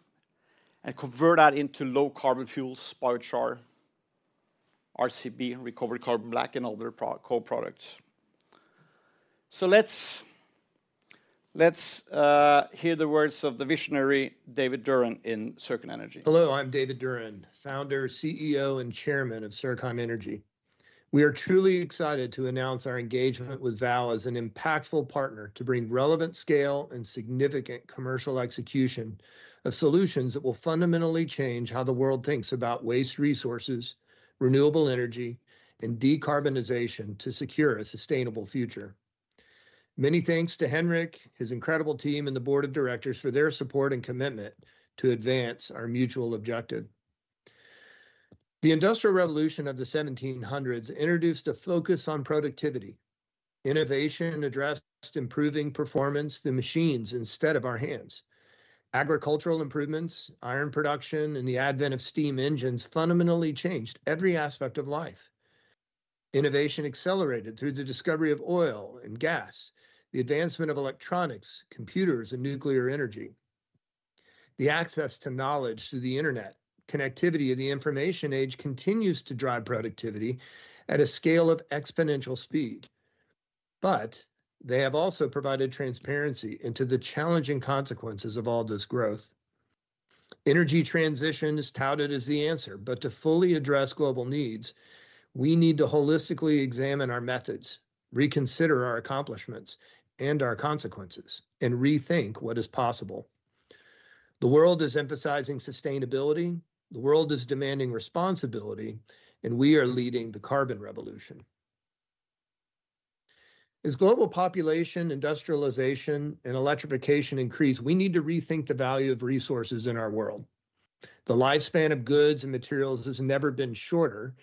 and convert that into low-carbon fuels, biochar, RCB, recovered carbon black, and other co-products. So let's hear the words of the visionary, David Duren, in Circon Energy. Hello, I'm David Duren, founder, CEO, and chairman of Circon Energy. We are truly excited to announce our engagement with Vow as an impactful partner to bring relevant scale and significant commercial execution of solutions that will fundamentally change how the world thinks about waste resources, renewable energy, and decarbonization to secure a sustainable future. Many thanks to Henrik, his incredible team, and the board of directors for their support and commitment to advance our mutual objective. The Industrial Revolution of the 1700s introduced a focus on productivity. Innovation addressed improving performance, the machines, instead of our hands. Agricultural improvements, iron production, and the advent of steam engines fundamentally changed every aspect of life. Innovation accelerated through the discovery of oil and gas, the advancement of electronics, computers, and nuclear energy. The access to knowledge through the internet, connectivity of the information age continues to drive productivity at a scale of exponential speed, but they have also provided transparency into the challenging consequences of all this growth. Energy transition is touted as the answer, but to fully address global needs, we need to holistically examine our methods, reconsider our accomplishments and our consequences, and rethink what is possible. The world is emphasizing sustainability, the world is demanding responsibility, and we are leading the carbon revolution. As global population, industrialization, and electrification increase, we need to rethink the value of resources in our world. The lifespan of goods and materials has never been shorter,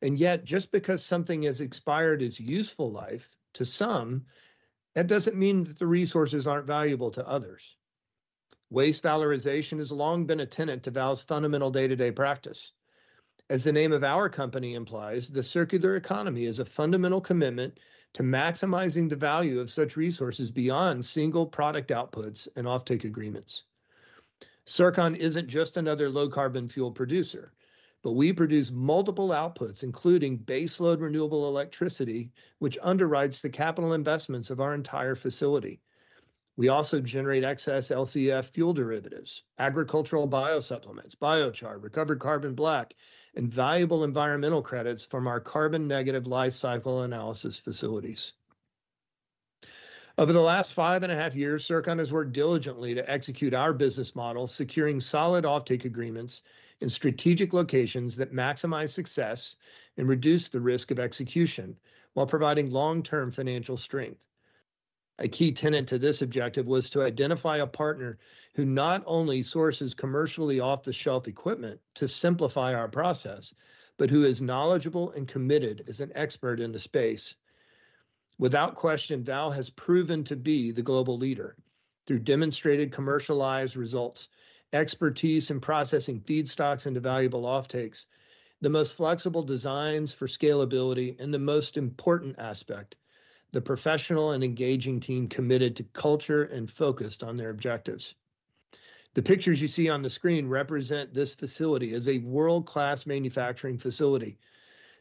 and yet, just because something has expired its useful life, to some, that doesn't mean that the resources aren't valuable to others. Waste valorization has long been a tenet to Vow's fundamental day-to-day practice. As the name of our company implies, the circular economy is a fundamental commitment to maximizing the value of such resources beyond single product outputs and offtake agreements. Circon isn't just another low-carbon fuel producer, but we produce multiple outputs, including base load renewable electricity, which underwrites the capital investments of our entire facility. We also generate excess LCF fuel derivatives, agricultural bio-supplements, biochar, recovered carbon black, and valuable environmental credits from our carbon negative life cycle analysis facilities. Over the last 5.5 years, Circon has worked diligently to execute our business model, securing solid offtake agreements in strategic locations that maximize success and reduce the risk of execution, while providing long-term financial strength. A key tenet to this objective was to identify a partner who not only sources commercially off-the-shelf equipment to simplify our process, but who is knowledgeable and committed as an expert in the space. Without question, Val has proven to be the global leader through demonstrated commercialized results, expertise in processing feedstocks into valuable offtakes, the most flexible designs for scalability, and the most important aspect, the professional and engaging team committed to culture and focused on their objectives. The pictures you see on the screen represent this facility as a world-class manufacturing facility.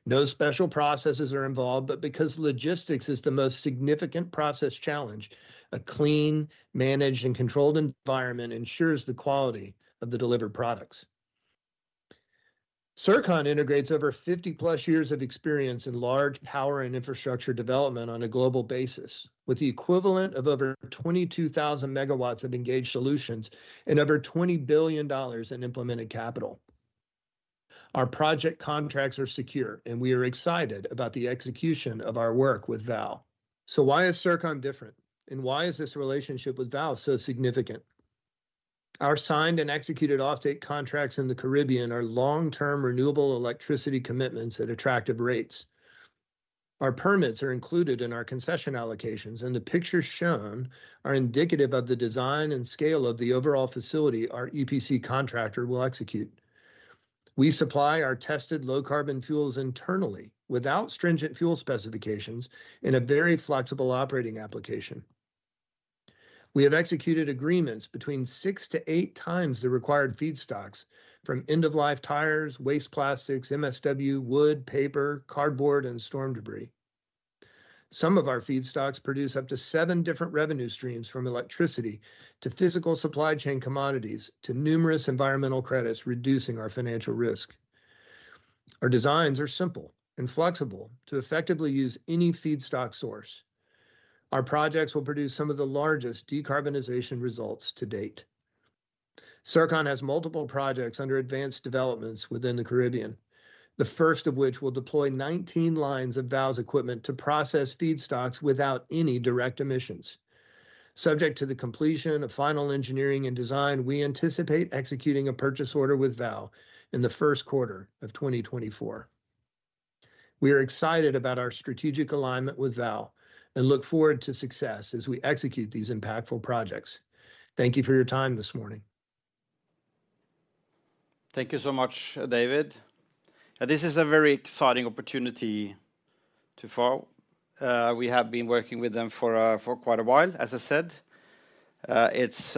No special processes are involved, but because logistics is the most significant process challenge, a clean, managed, and controlled environment ensures the quality of the delivered products. Circon integrates over 50+ years of experience in large power and infrastructure development on a global basis, with the equivalent of over 22,000 MW of engaged solutions and over $20 billion in implemented capital. Our project contracts are secure, and we are excited about the execution of our work with Val. So why is Circon different, and why is this relationship with Val so significant? Our signed and executed offtake contracts in the Caribbean are long-term, renewable electricity commitments at attractive rates. Our permits are included in our concession allocations, and the pictures shown are indicative of the design and scale of the overall facility our EPC contractor will execute. We supply our tested low-carbon fuels internally, without stringent fuel specifications, in a very flexible operating application. We have executed agreements between 6-8 times the required feedstocks, from end-of-life tires, waste plastics, MSW, wood, paper, cardboard, and storm debris. Some of our feedstocks produce up to seve different revenue streams, from electricity to physical supply chain commodities, to numerous environmental credits, reducing our financial risk. Our designs are simple and flexible to effectively use any feedstock source. Our projects will produce some of the largest decarbonization results to date. Circon has multiple projects under advanced developments within the Caribbean, the first of which will deploy 19 lines of Vow's equipment to process feedstocks without any direct emissions. Subject to the completion of final engineering and design, we anticipate executing a purchase order with Vow in the first quarter of 2024. We are excited about our strategic alignment with Vow and look forward to success as we execute these impactful projects. Thank you for your time this morning. Thank you so much, David. This is a very exciting opportunity to follow. We have been working with them for quite a while, as I said. It's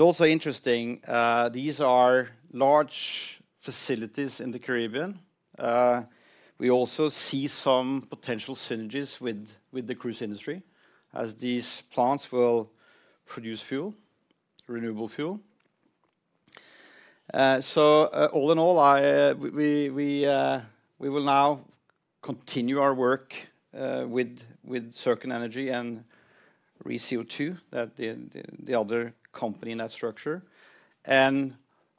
also interesting, these are large facilities in the Caribbean. We also see some potential synergies with the cruise industry, as these plants will produce fuel, renewable fuel. So, all in all, we will now continue our work with Circon Energy and ReCO2, the other company in that structure, and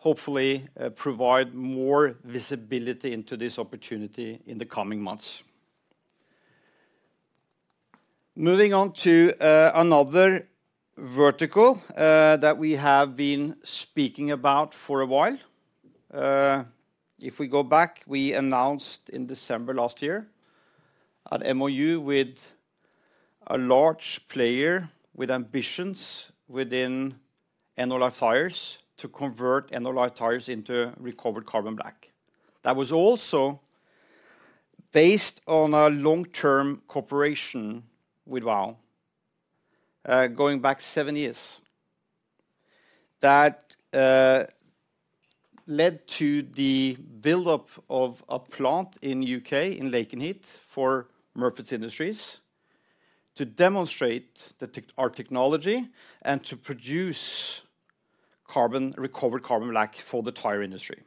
hopefully provide more visibility into this opportunity in the coming months. Moving on to another vertical that we have been speaking about for a while. If we go back, we announced in December last year an MOU with a large player with ambitions within end-of-life tires to convert end-of-life tires into recovered carbon black. That was also based on a long-term cooperation with Vow, going back seven years. That led to the build-up of a plant in the U.K., in Lakenheath, for Murfitts Industries, to demonstrate our technology and to produce carbon, recovered carbon black for the tire industry.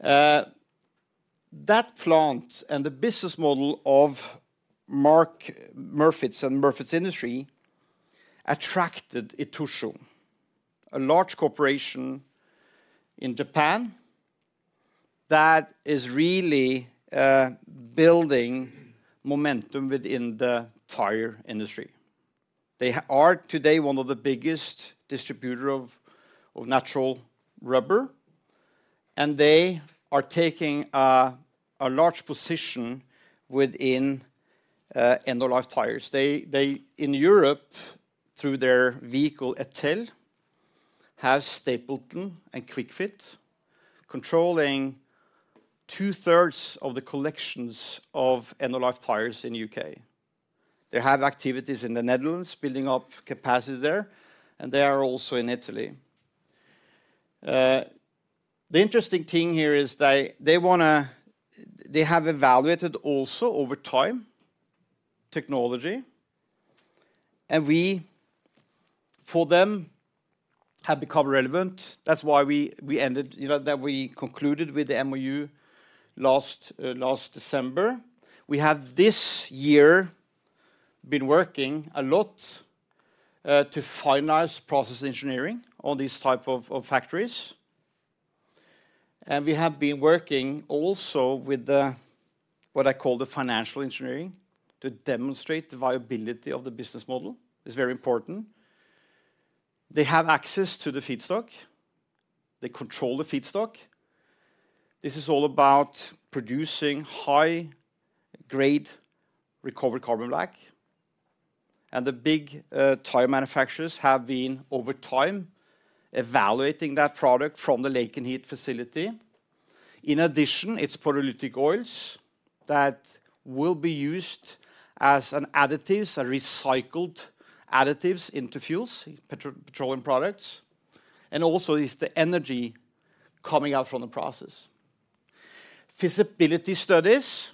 That plant and the business model of Murfitts and Murfitts Industries attracted Itochu, a large corporation in Japan that is really building momentum within the tire industry. They are, today, one of the biggest distributor of natural rubber, and they are taking a large position within end-of-life tires. They in Europe, through their vehicle, ETEL, have Stapleton and Kwik Fit, controlling two-thirds of the collections of end-of-life tires in U.K. They have activities in the Netherlands, building up capacity there, and they are also in Italy. The interesting thing here is they have evaluated also over time, technology, and we for them have become relevant. That's why we ended, you know, that we concluded with the MOU last December. We have this year been working a lot to finalize process engineering on these types of factories. We have been working also with what I call the financial engineering, to demonstrate the viability of the business model. It's very important. They have access to the feedstock. They control the feedstock. This is all about producing high-grade recovered carbon black. And the big tire manufacturers have been, over time, evaluating that product from the Lakenheath facility. In addition, its pyrolytic oils that will be used as an additives, a recycled additives into fuels, petroleum products, and also is the energy coming out from the process. Feasibility studies,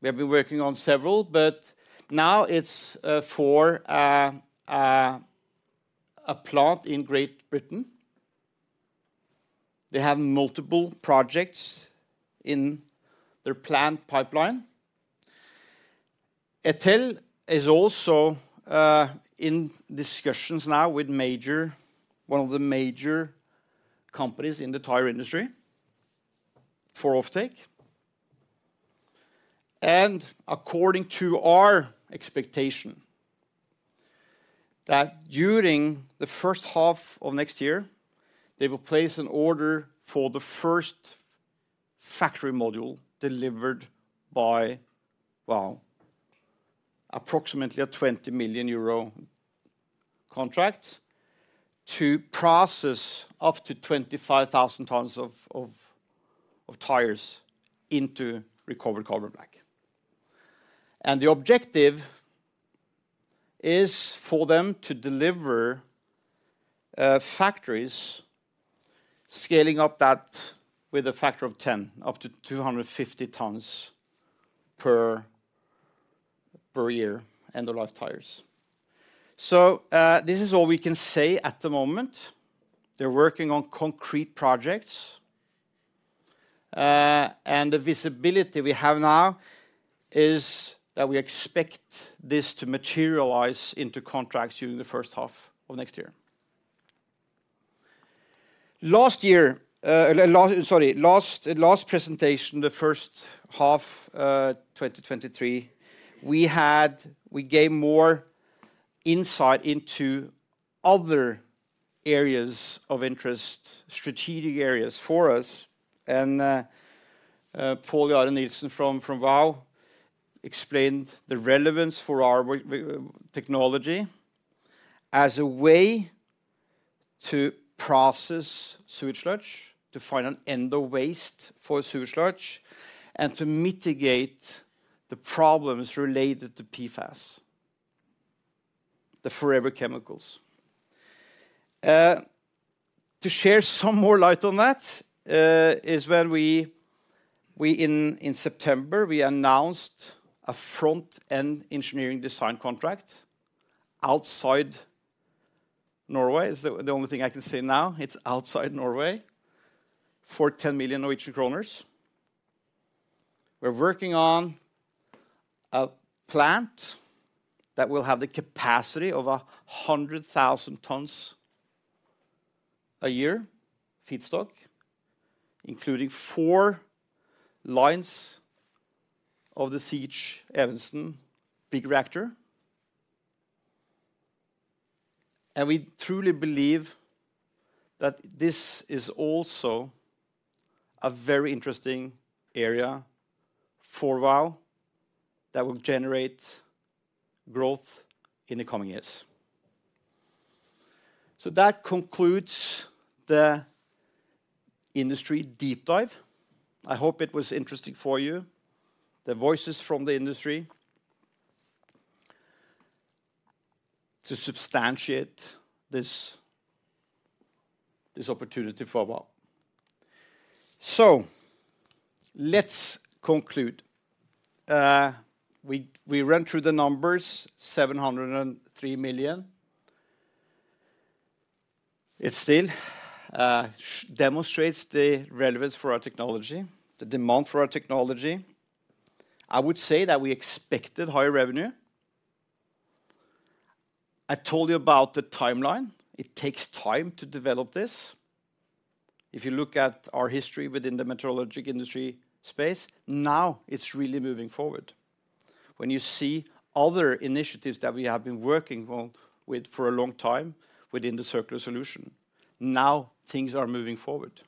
we have been working on several, but now it's for a plant in Great Britain. They have multiple projects in their plant pipeline. ETEL is also in discussions now with major, one of the major companies in the tire industry for offtake. And according to our expectation, that during the first half of next year, they will place an order for the first factory module delivered by, well, approximately a 20 million euro contract to process up to 25,000 tons of tires into recovered carbon black. And the objective is for them to deliver, factories, scaling up that with a factor of 10, up to 250 tons per year, end-of-life tires. So, this is all we can say at the moment. They're working on concrete projects, and the visibility we have now is that we expect this to materialize into contracts during the first half of next year. Last year, last presentation, the first half of 2023, we had. We gave more insight into other areas of interest, strategic areas for us, and, Pål Jahre Nilsen from Vow explained the relevance for our technology as a way to process sewage sludge, to find an end of waste for sewage sludge, and to mitigate the problems related to PFAS, the forever chemicals. To share some more light on that is when we in September we announced a front-end engineering design contract outside Norway. It's the only thing I can say now, it's outside Norway, for 10 million Norwegian kroner. We're working on a plant that will have the capacity of 100,000 tons a year, feedstock, including four lines of the C.H. Evensen big reactor. And we truly believe that this is also a very interesting area for Vow that will generate growth in the coming years. So that concludes the industry deep dive. I hope it was interesting for you, the voices from the industry, to substantiate this opportunity for Vow. So let's conclude. We ran through the numbers, 703 million. It still demonstrates the relevance for our technology, the demand for our technology. I would say that we expected higher revenue. I told you about the timeline. It takes time to develop this. If you look at our history within the maritime industry space, now it's really moving forward. When you see other initiatives that we have been working on with for a long time within the circular solution, now things are moving forward.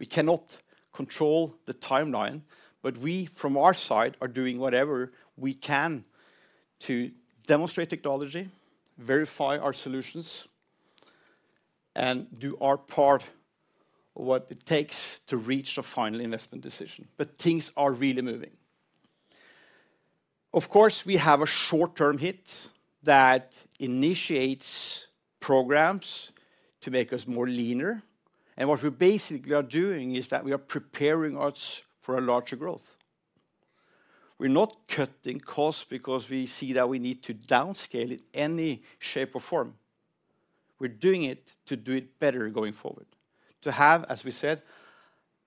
We cannot control the timeline, but we, from our side, are doing whatever we can to demonstrate technology, verify our solutions, and do our part of what it takes to reach a final investment decision. But things are really moving. Of course, we have a short-term hit that initiates programs to make us more leaner, and what we basically are doing is that we are preparing us for a larger growth. We're not cutting costs because we see that we need to downscale in any shape or form. We're doing it to do it better going forward, to have, as we said,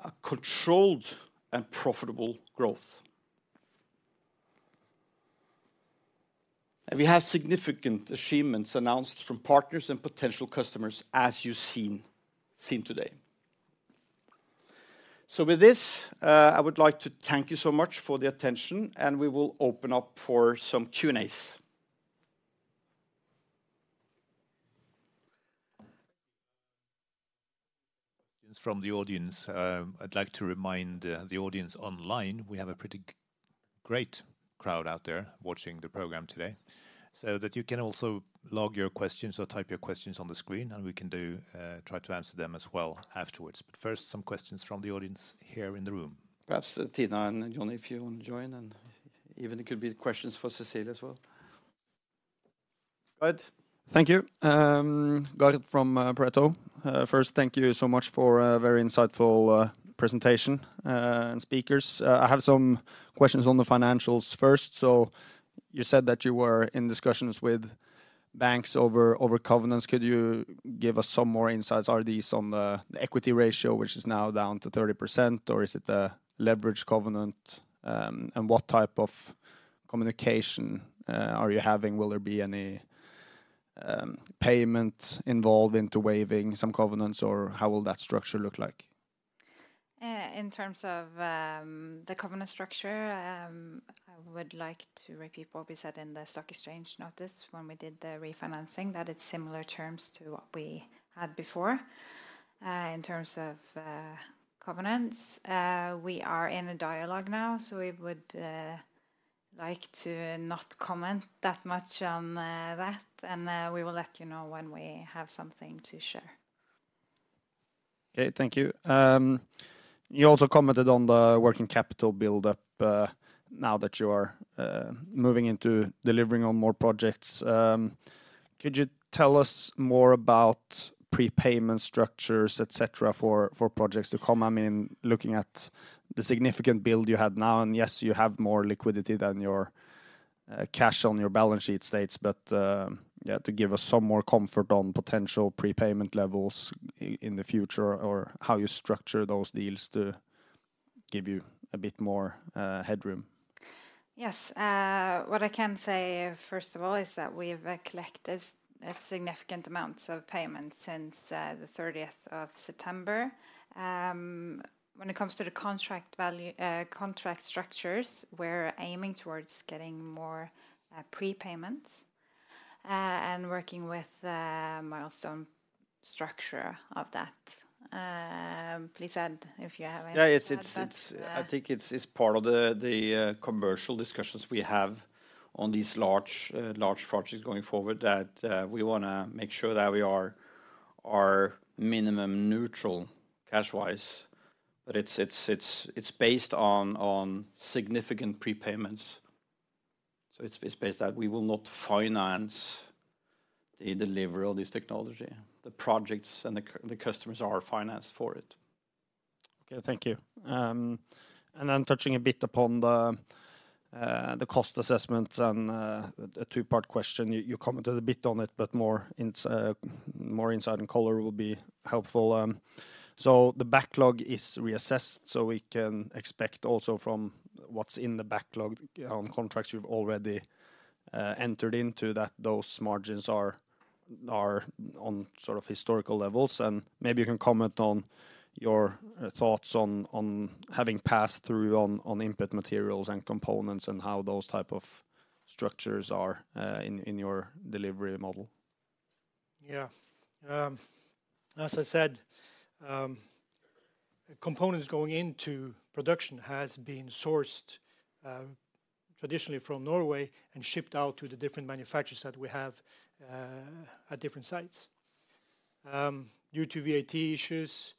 a controlled and profitable growth. We have significant achievements announced from partners and potential customers, as you've seen today. With this, I would like to thank you so much for the attention, and we will open up for some Q&As. From the audience. I'd like to remind the audience online, we have a pretty great crowd out there watching the program today, so that you can also log your questions or type your questions on the screen, and we can try to answer them as well afterwards. But first, some questions from the audience here in the room. Perhaps, Tina and Jonny, if you want to join, and even it could be questions for Cecilie as well. Go ahead. Thank you. Garrett from Pareto. First, thank you so much for a very insightful presentation and speakers. I have some questions on the financials first. So, you said that you were in discussions with banks over covenants. Could you give us some more insights? Are these on the equity ratio, which is now down to 30%, or is it a leverage covenant? And what type of communication are you having? Will there be any payment involved into waiving some covenants, or how will that structure look like? In terms of the covenant structure, I would like to repeat what we said in the stock exchange notice when we did the refinancing, that it's similar terms to what we had before. In terms of covenants, we are in a dialogue now, so we would like to not comment that much on that, and we will let you know when we have something to share. Okay. Thank you. You also commented on the working capital build-up, now that you are moving into delivering on more projects. Could you tell us more about prepayment structures, et cetera, for projects to come? I mean, looking at the significant build you have now, and yes, you have more liquidity than your cash on your balance sheet states, but yeah, to give us some more comfort on potential prepayment levels in the future, or how you structure those deals to give you a bit more headroom. Yes. What I can say, first of all, is that we've collected significant amounts of payments since the 30th of September. When it comes to the contract value—contract structures, we're aiming towards getting more prepayments and working with a milestone structure of that. Please add if you have any. Yeah, it's part of the commercial discussions we have on these large projects going forward, that we want to make sure that we are minimum neutral cash-wise. But it's based on significant prepayments. So, it's based that we will not finance the delivery of this technology. The projects and the customers are financed for it. Okay. Thank you. And then touching a bit upon the, the cost assessment and, a two-part question. You, you commented a bit on it, but more insight and color will be helpful. So the backlog is reassessed, so we can expect also from what's in the backlog, contracts you've already, entered into, that those margins are, are on sort of historical levels. And maybe you can comment on your, thoughts on, having passed through on, input materials and components, and how those type of structures are, in, your delivery model. Yeah. As I said, components going into production has been sourced, traditionally from Norway and shipped out to the different manufacturers that we have, at different sites. Due to VAT issues,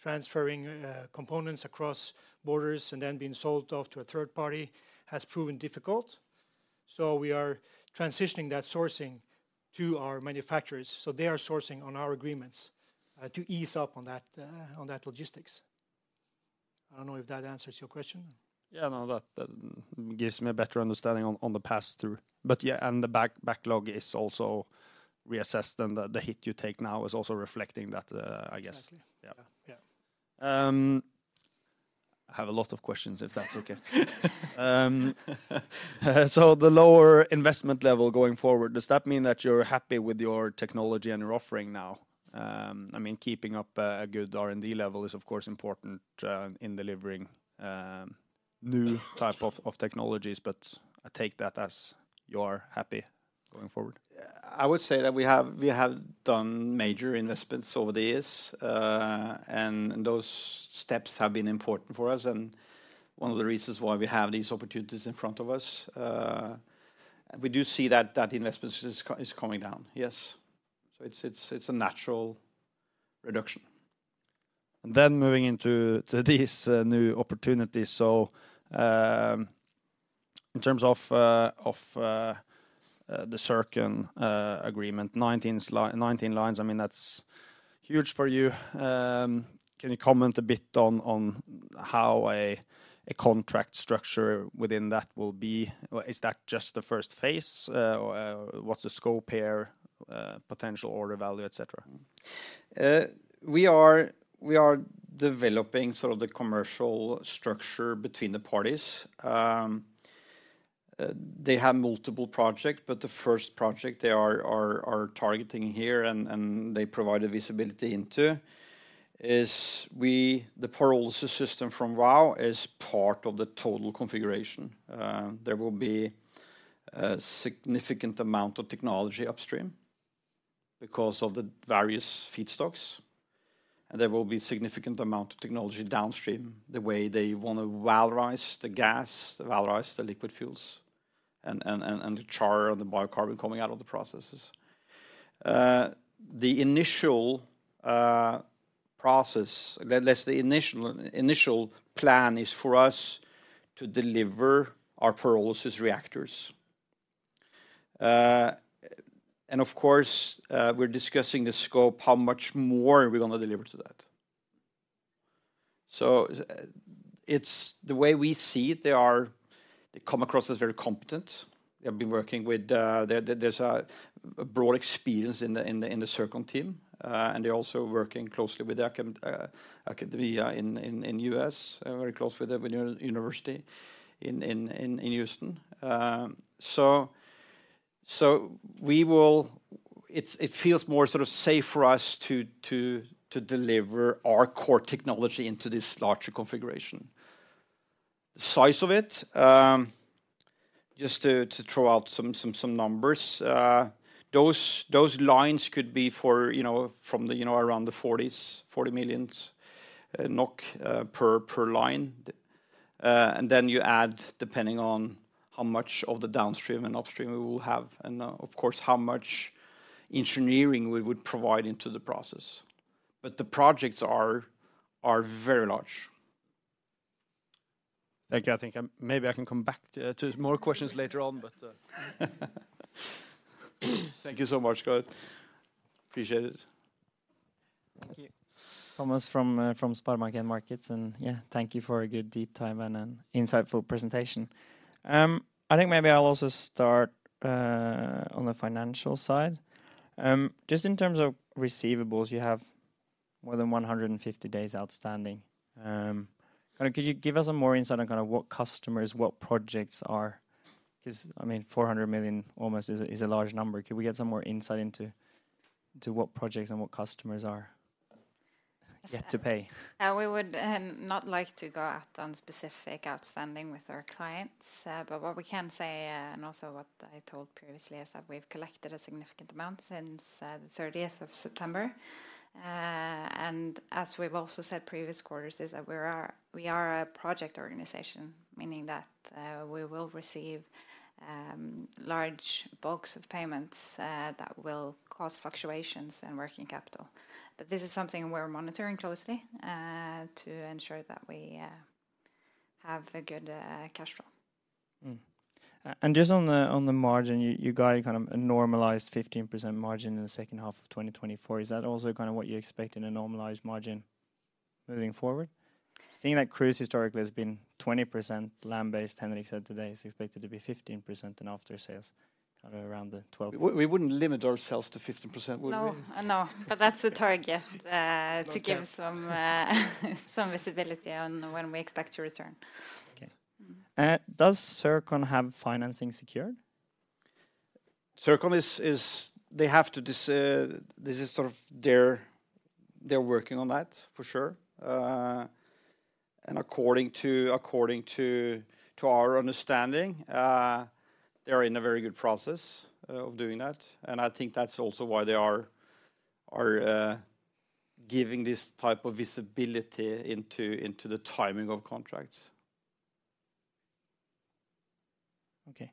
transferring components across borders and then being sold off to a third party has proven difficult, so we are transitioning that sourcing to our manufacturers. So, they are sourcing on our agreements, to ease up on that, on that logistics. I don't know if that answers your question. Yeah. No, that gives me a better understanding on the pass-through. But yeah, and the backlog is also reassessed, and the hit you take now is also reflecting that, I guess. Exactly. Yeah. Yeah. I have a lot of questions, if that's okay. So the lower investment level going forward, does that mean that you're happy with your technology and your offering now? I mean, keeping up a good R&D level is, of course, important in delivering new type of technologies, but I take that as you are happy going forward. I would say that we have done major investments over the years, and those steps have been important for us, and one of the reasons why we have these opportunities in front of us. We do see that that investment is coming down. Yes. So it's a natural reduction. And then moving into these new opportunities. So, in terms of the Circon agreement, 19 lines, I mean, that's huge for you. Can you comment a bit on how a contract structure within that will be? Well, is that just the first phase? Or what's the scope here, potential order value, et cetera? We are developing sort of the commercial structure between the parties. They have multiple projects, but the first project they are targeting here, and they provide a visibility into is the pyrolysis system from Vow is part of the total configuration. There will be a significant amount of technology upstream because of the various feedstocks, and there will be significant amount of technology downstream, the way they want to valorize the gas, valorize the liquid fuels, and the char and the biocarbon coming out of the processes. The initial plan is for us to deliver our pyrolysis reactors. And of course, we're discussing the scope, how much more are we gonna deliver to that? So, it's the way we see it, they come across as very competent. They have been working with. There's a broad experience in the Circon team, and they're also working closely with the academia in the U.S., very closely with the University of Houston. So, it feels more sort of safe for us to deliver our core technology into this larger configuration. The size of it, just to throw out some numbers, those lines could be for, you know, from the, you know, around the 40s, 40 million NOK per line. Then you add, depending on how much of the downstream and upstream we will have, and, of course, how much engineering we would provide into the process. But the projects are very large. Thank you. I think, maybe I can come back to more questions later on, but Thank you so much, Garrett. Appreciate it. Thank you. Thomas from SpareBank 1 Markets, and yeah, thank you for a good, deep time and an insightful presentation. I think maybe I'll also start on the financial side. Just in terms of receivables, you have more than 150 days outstanding. Kind of could you give us some more insight on kind of what customers, what projects are? Because, I mean, 400 million almost is a, is a large number. Could we get some more insight into, to what projects and what customers are yet to pay? We would not like to go out on specific outstanding with our clients, but what we can say, and also what I told previously, is that we've collected a significant amount since the 30th thirtieth of September. And as we've also said previous quarters, is that we are, we are a project organization, meaning that we will receive large bulks of payments that will cause fluctuations in working capital. But this is something we're monitoring closely to ensure that we have a good cash flow. Mm-hmm. And just on the, on the margin, you, you got a kind of a normalized 15% margin in the second half of 2024. Is that also kind of what you expect in a normalized margin moving forward? Seeing that Cruise historically has been 20%, land-based, Henrik said today, is expected to be 15%, and after sales, kind of around the 12- We wouldn't limit ourselves to 15%, would we? No. No, but that's the target. Okay To give some visibility on when we expect to return. Okay. Mm-hmm. Does Circon have financing secured? Circon is. They have to decide. This is sort of their, they're working on that, for sure. And according to our understanding, they are in a very good process of doing that, and I think that's also why they are giving this type of visibility into the timing of contracts. Okay.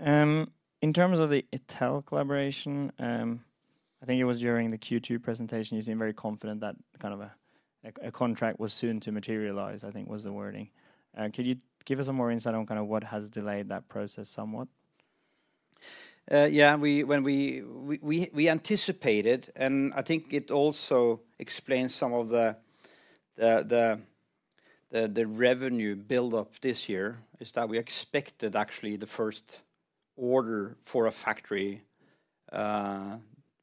In terms of the ETEL collaboration, I think it was during the Q2 presentation, you seemed very confident that kind of a contract was soon to materialize, I think was the wording. Could you give us some more insight on kind of what has delayed that process somewhat? Yeah, when we anticipated, and I think it also explains some of the revenue build-up this year, is that we expected actually the first order for a factory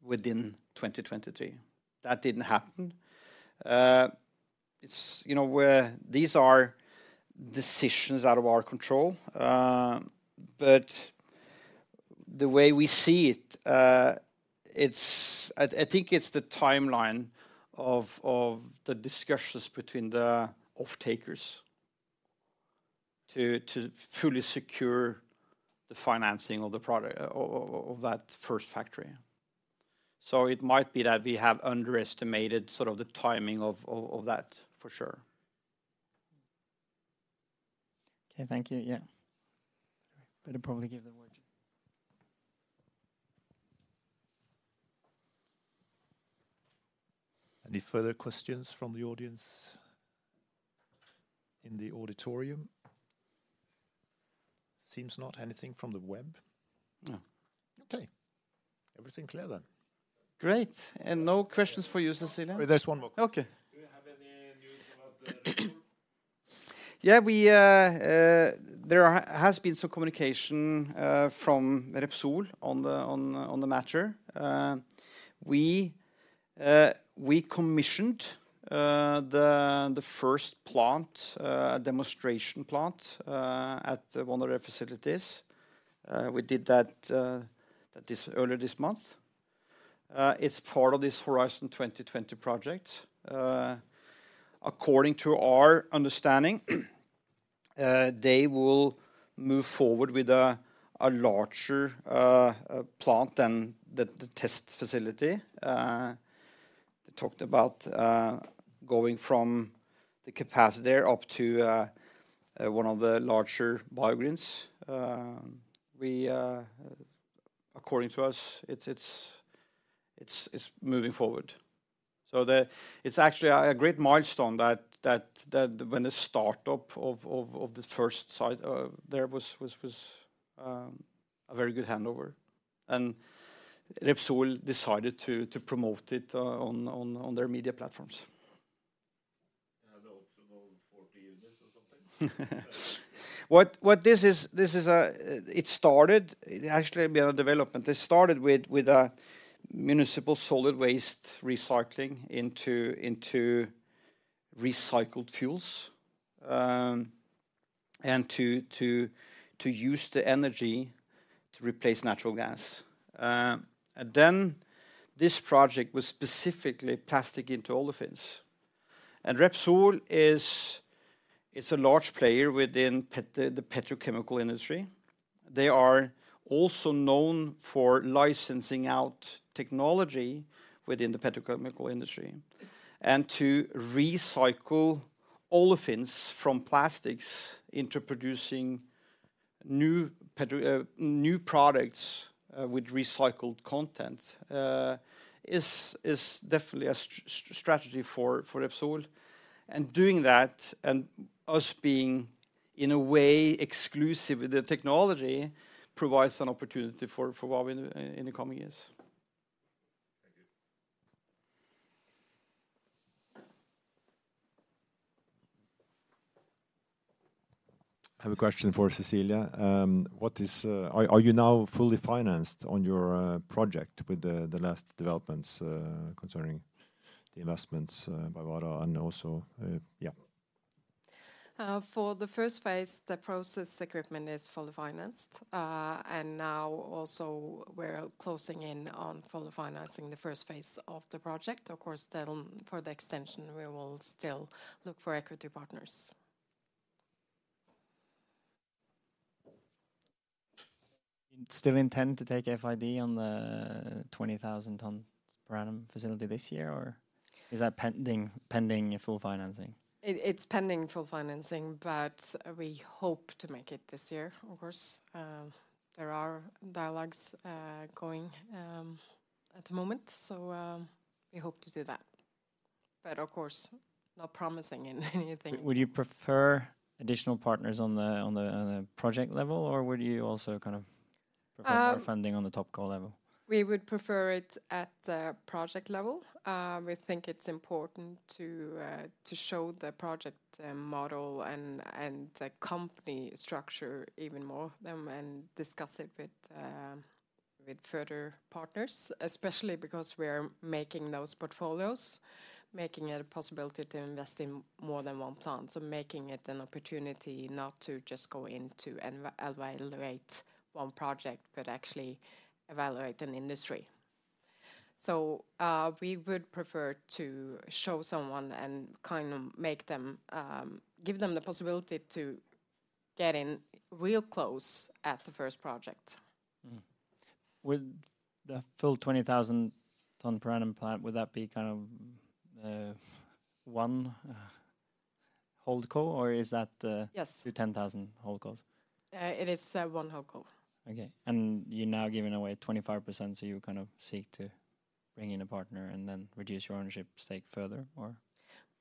within 2023. That didn't happen. It's, you know, where these are decisions out of our control, but the way we see it, it's. I think it's the timeline of the discussions between the off-takers to fully secure the financing of the product of that first factory. So it might be that we have underestimated sort of the timing of that, for sure. Okay, thank you. Yeah. Better probably give the word. Any further questions from the audience in the auditorium? Seems not anything from the web. No. Okay, everything clear then. Great, and no questions for you, Cecilie? There's one more. Okay. [inaudible] Yeah, we, there has been some communication from Repsol on the matter. We commissioned the first demonstration plant at one of their facilities. We did that earlier this month. It's part of this Horizon 2020 project. According to our understanding, they will move forward with a larger plant than the test facility. They talked about going from the capacity there up to one of the larger Biogreens. According to us, it's moving forward. So, it's actually a great milestone that, when the start up of the first site, there was a very good handover, and Repsol decided to promote it on their media platforms. [inaudible] What this is, this is actually a development. This started with a municipal solid waste recycling into recycled fuels, and to use the energy to replace natural gas. And then this project was specifically plastic into olefins. And Repsol is a large player within the petrochemical industry. They are also known for licensing out technology within the petrochemical industry, and to recycle olefins from plastics into producing new petrochemical products with recycled content is definitely a strategy for Repsol. And doing that, and us being in a way exclusive with the technology, provides an opportunity for Vow in the coming years. [inaudible] I have a question for Cecilie. Are you now fully financed on your project with the last developments concerning the investments by Vardar and also, yeah? For the first phase, the process equipment is fully financed. And now also, we're closing in on fully financing the first phase of the project. Of course, then for the extension, we will still look for equity partners. You still intend to take FID on the 20,000 tons per annum facility this year, or is that pending a full financing? It's pending full financing, but we hope to make it this year. Of course, there are dialogues going at the moment, so we hope to do that. But of course, not promising anything. Would you prefer additional partners on the project level, or would you also kind of- Um- prefer more funding on the top call level? We would prefer it at the project level. We think it's important to show the project model and the company structure even more and discuss it with further partners, especially because we are making those portfolios, making it a possibility to invest in more than one plant. So making it an opportunity not to just go in to evaluate one project, but actually evaluate an industry. So, we would prefer to show someone and kind of make them give them the possibility to get in real close at the first project. Mm-hmm. With the full 20,000-ton per annum plant, would that be kind of one HoldCo, or is that- Yes... 2 10,000 HoldCos? It is one HoldCo. Okay. You're now giving away 25%, so you kind of seek to bring in a partner and then reduce your ownership stake further, or?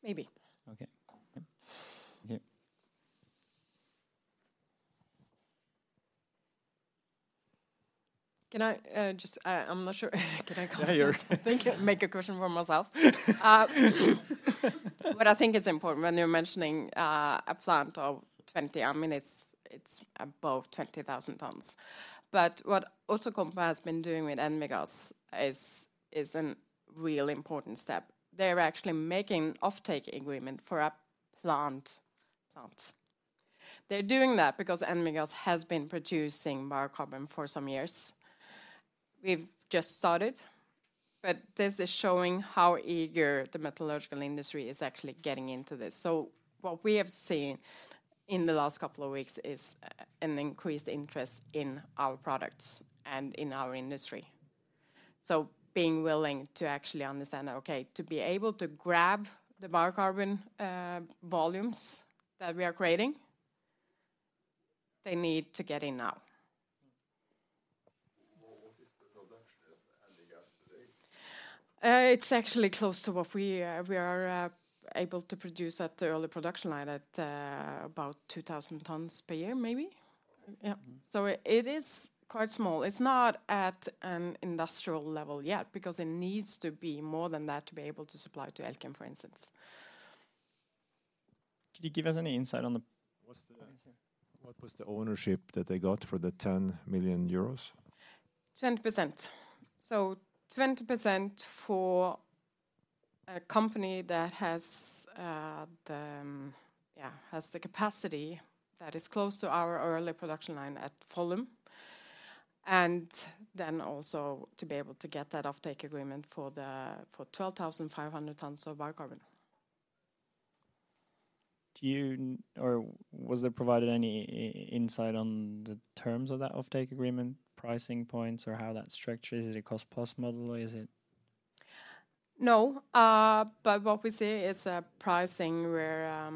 Maybe. Okay. Yeah. Thank you. Can I just... I'm not sure. Can I comment? Yeah, you're- Thank you. Make a question for myself. What I think is important when you're mentioning a plant of 20, I mean, it's above 20,000 tons. But what Outokumpu has been doing with Envigas is a real important step. They're actually making offtake agreement for a plant. They're doing that because Envigas has been producing biocarbon for some years. We've just started, but this is showing how eager the metallurgical industry is actually getting into this. So, what we have seen in the last couple of weeks is an increased interest in our products and in our industry. So being willing to actually understand, okay, to be able to grab the biocarbon volumes that we are creating, they need to get in now. What, what is the production of Envigas today? It's actually close to what we are able to produce at the early production line at about 2,000 tons per year, maybe. Yeah. So it is quite small. It's not at an industrial level yet, because it needs to be more than that to be able to supply to Elkem, for instance. Could you give us any insight on the- What was the ownership that they got for the 10 million euros? 20%. So 20% for a company that has the capacity that is close to our early production line at Follum, and then also to be able to get that offtake agreement for 12,500 tons of biocarbon. Do you or was there provided any insight on the terms of that offtake agreement, pricing points, or how that structure? Is it a cost-plus model, or is it? No, but what we see is a pricing where,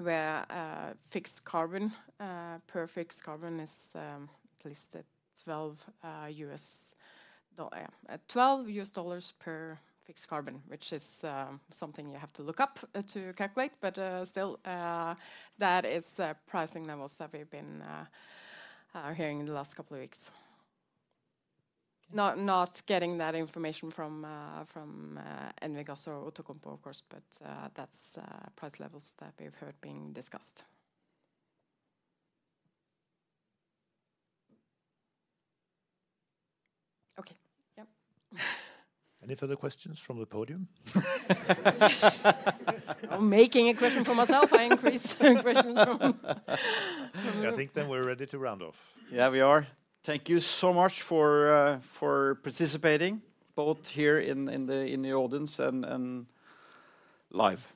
where fixed carbon per fixed carbon is at least at $12 per fixed carbon, which is something you have to look up to calculate. But still, that is pricing levels that we've been hearing in the last couple of weeks. Not getting that information from Envigas or Outokumpu, of course, but that's price levels that we've heard being discussed. Okay. Yep. Any further questions from the podium? I'm making a question for myself. I increase the questions from... I think then we're ready to round off. Yeah, we are. Thank you so much for participating, both here in the audience and live.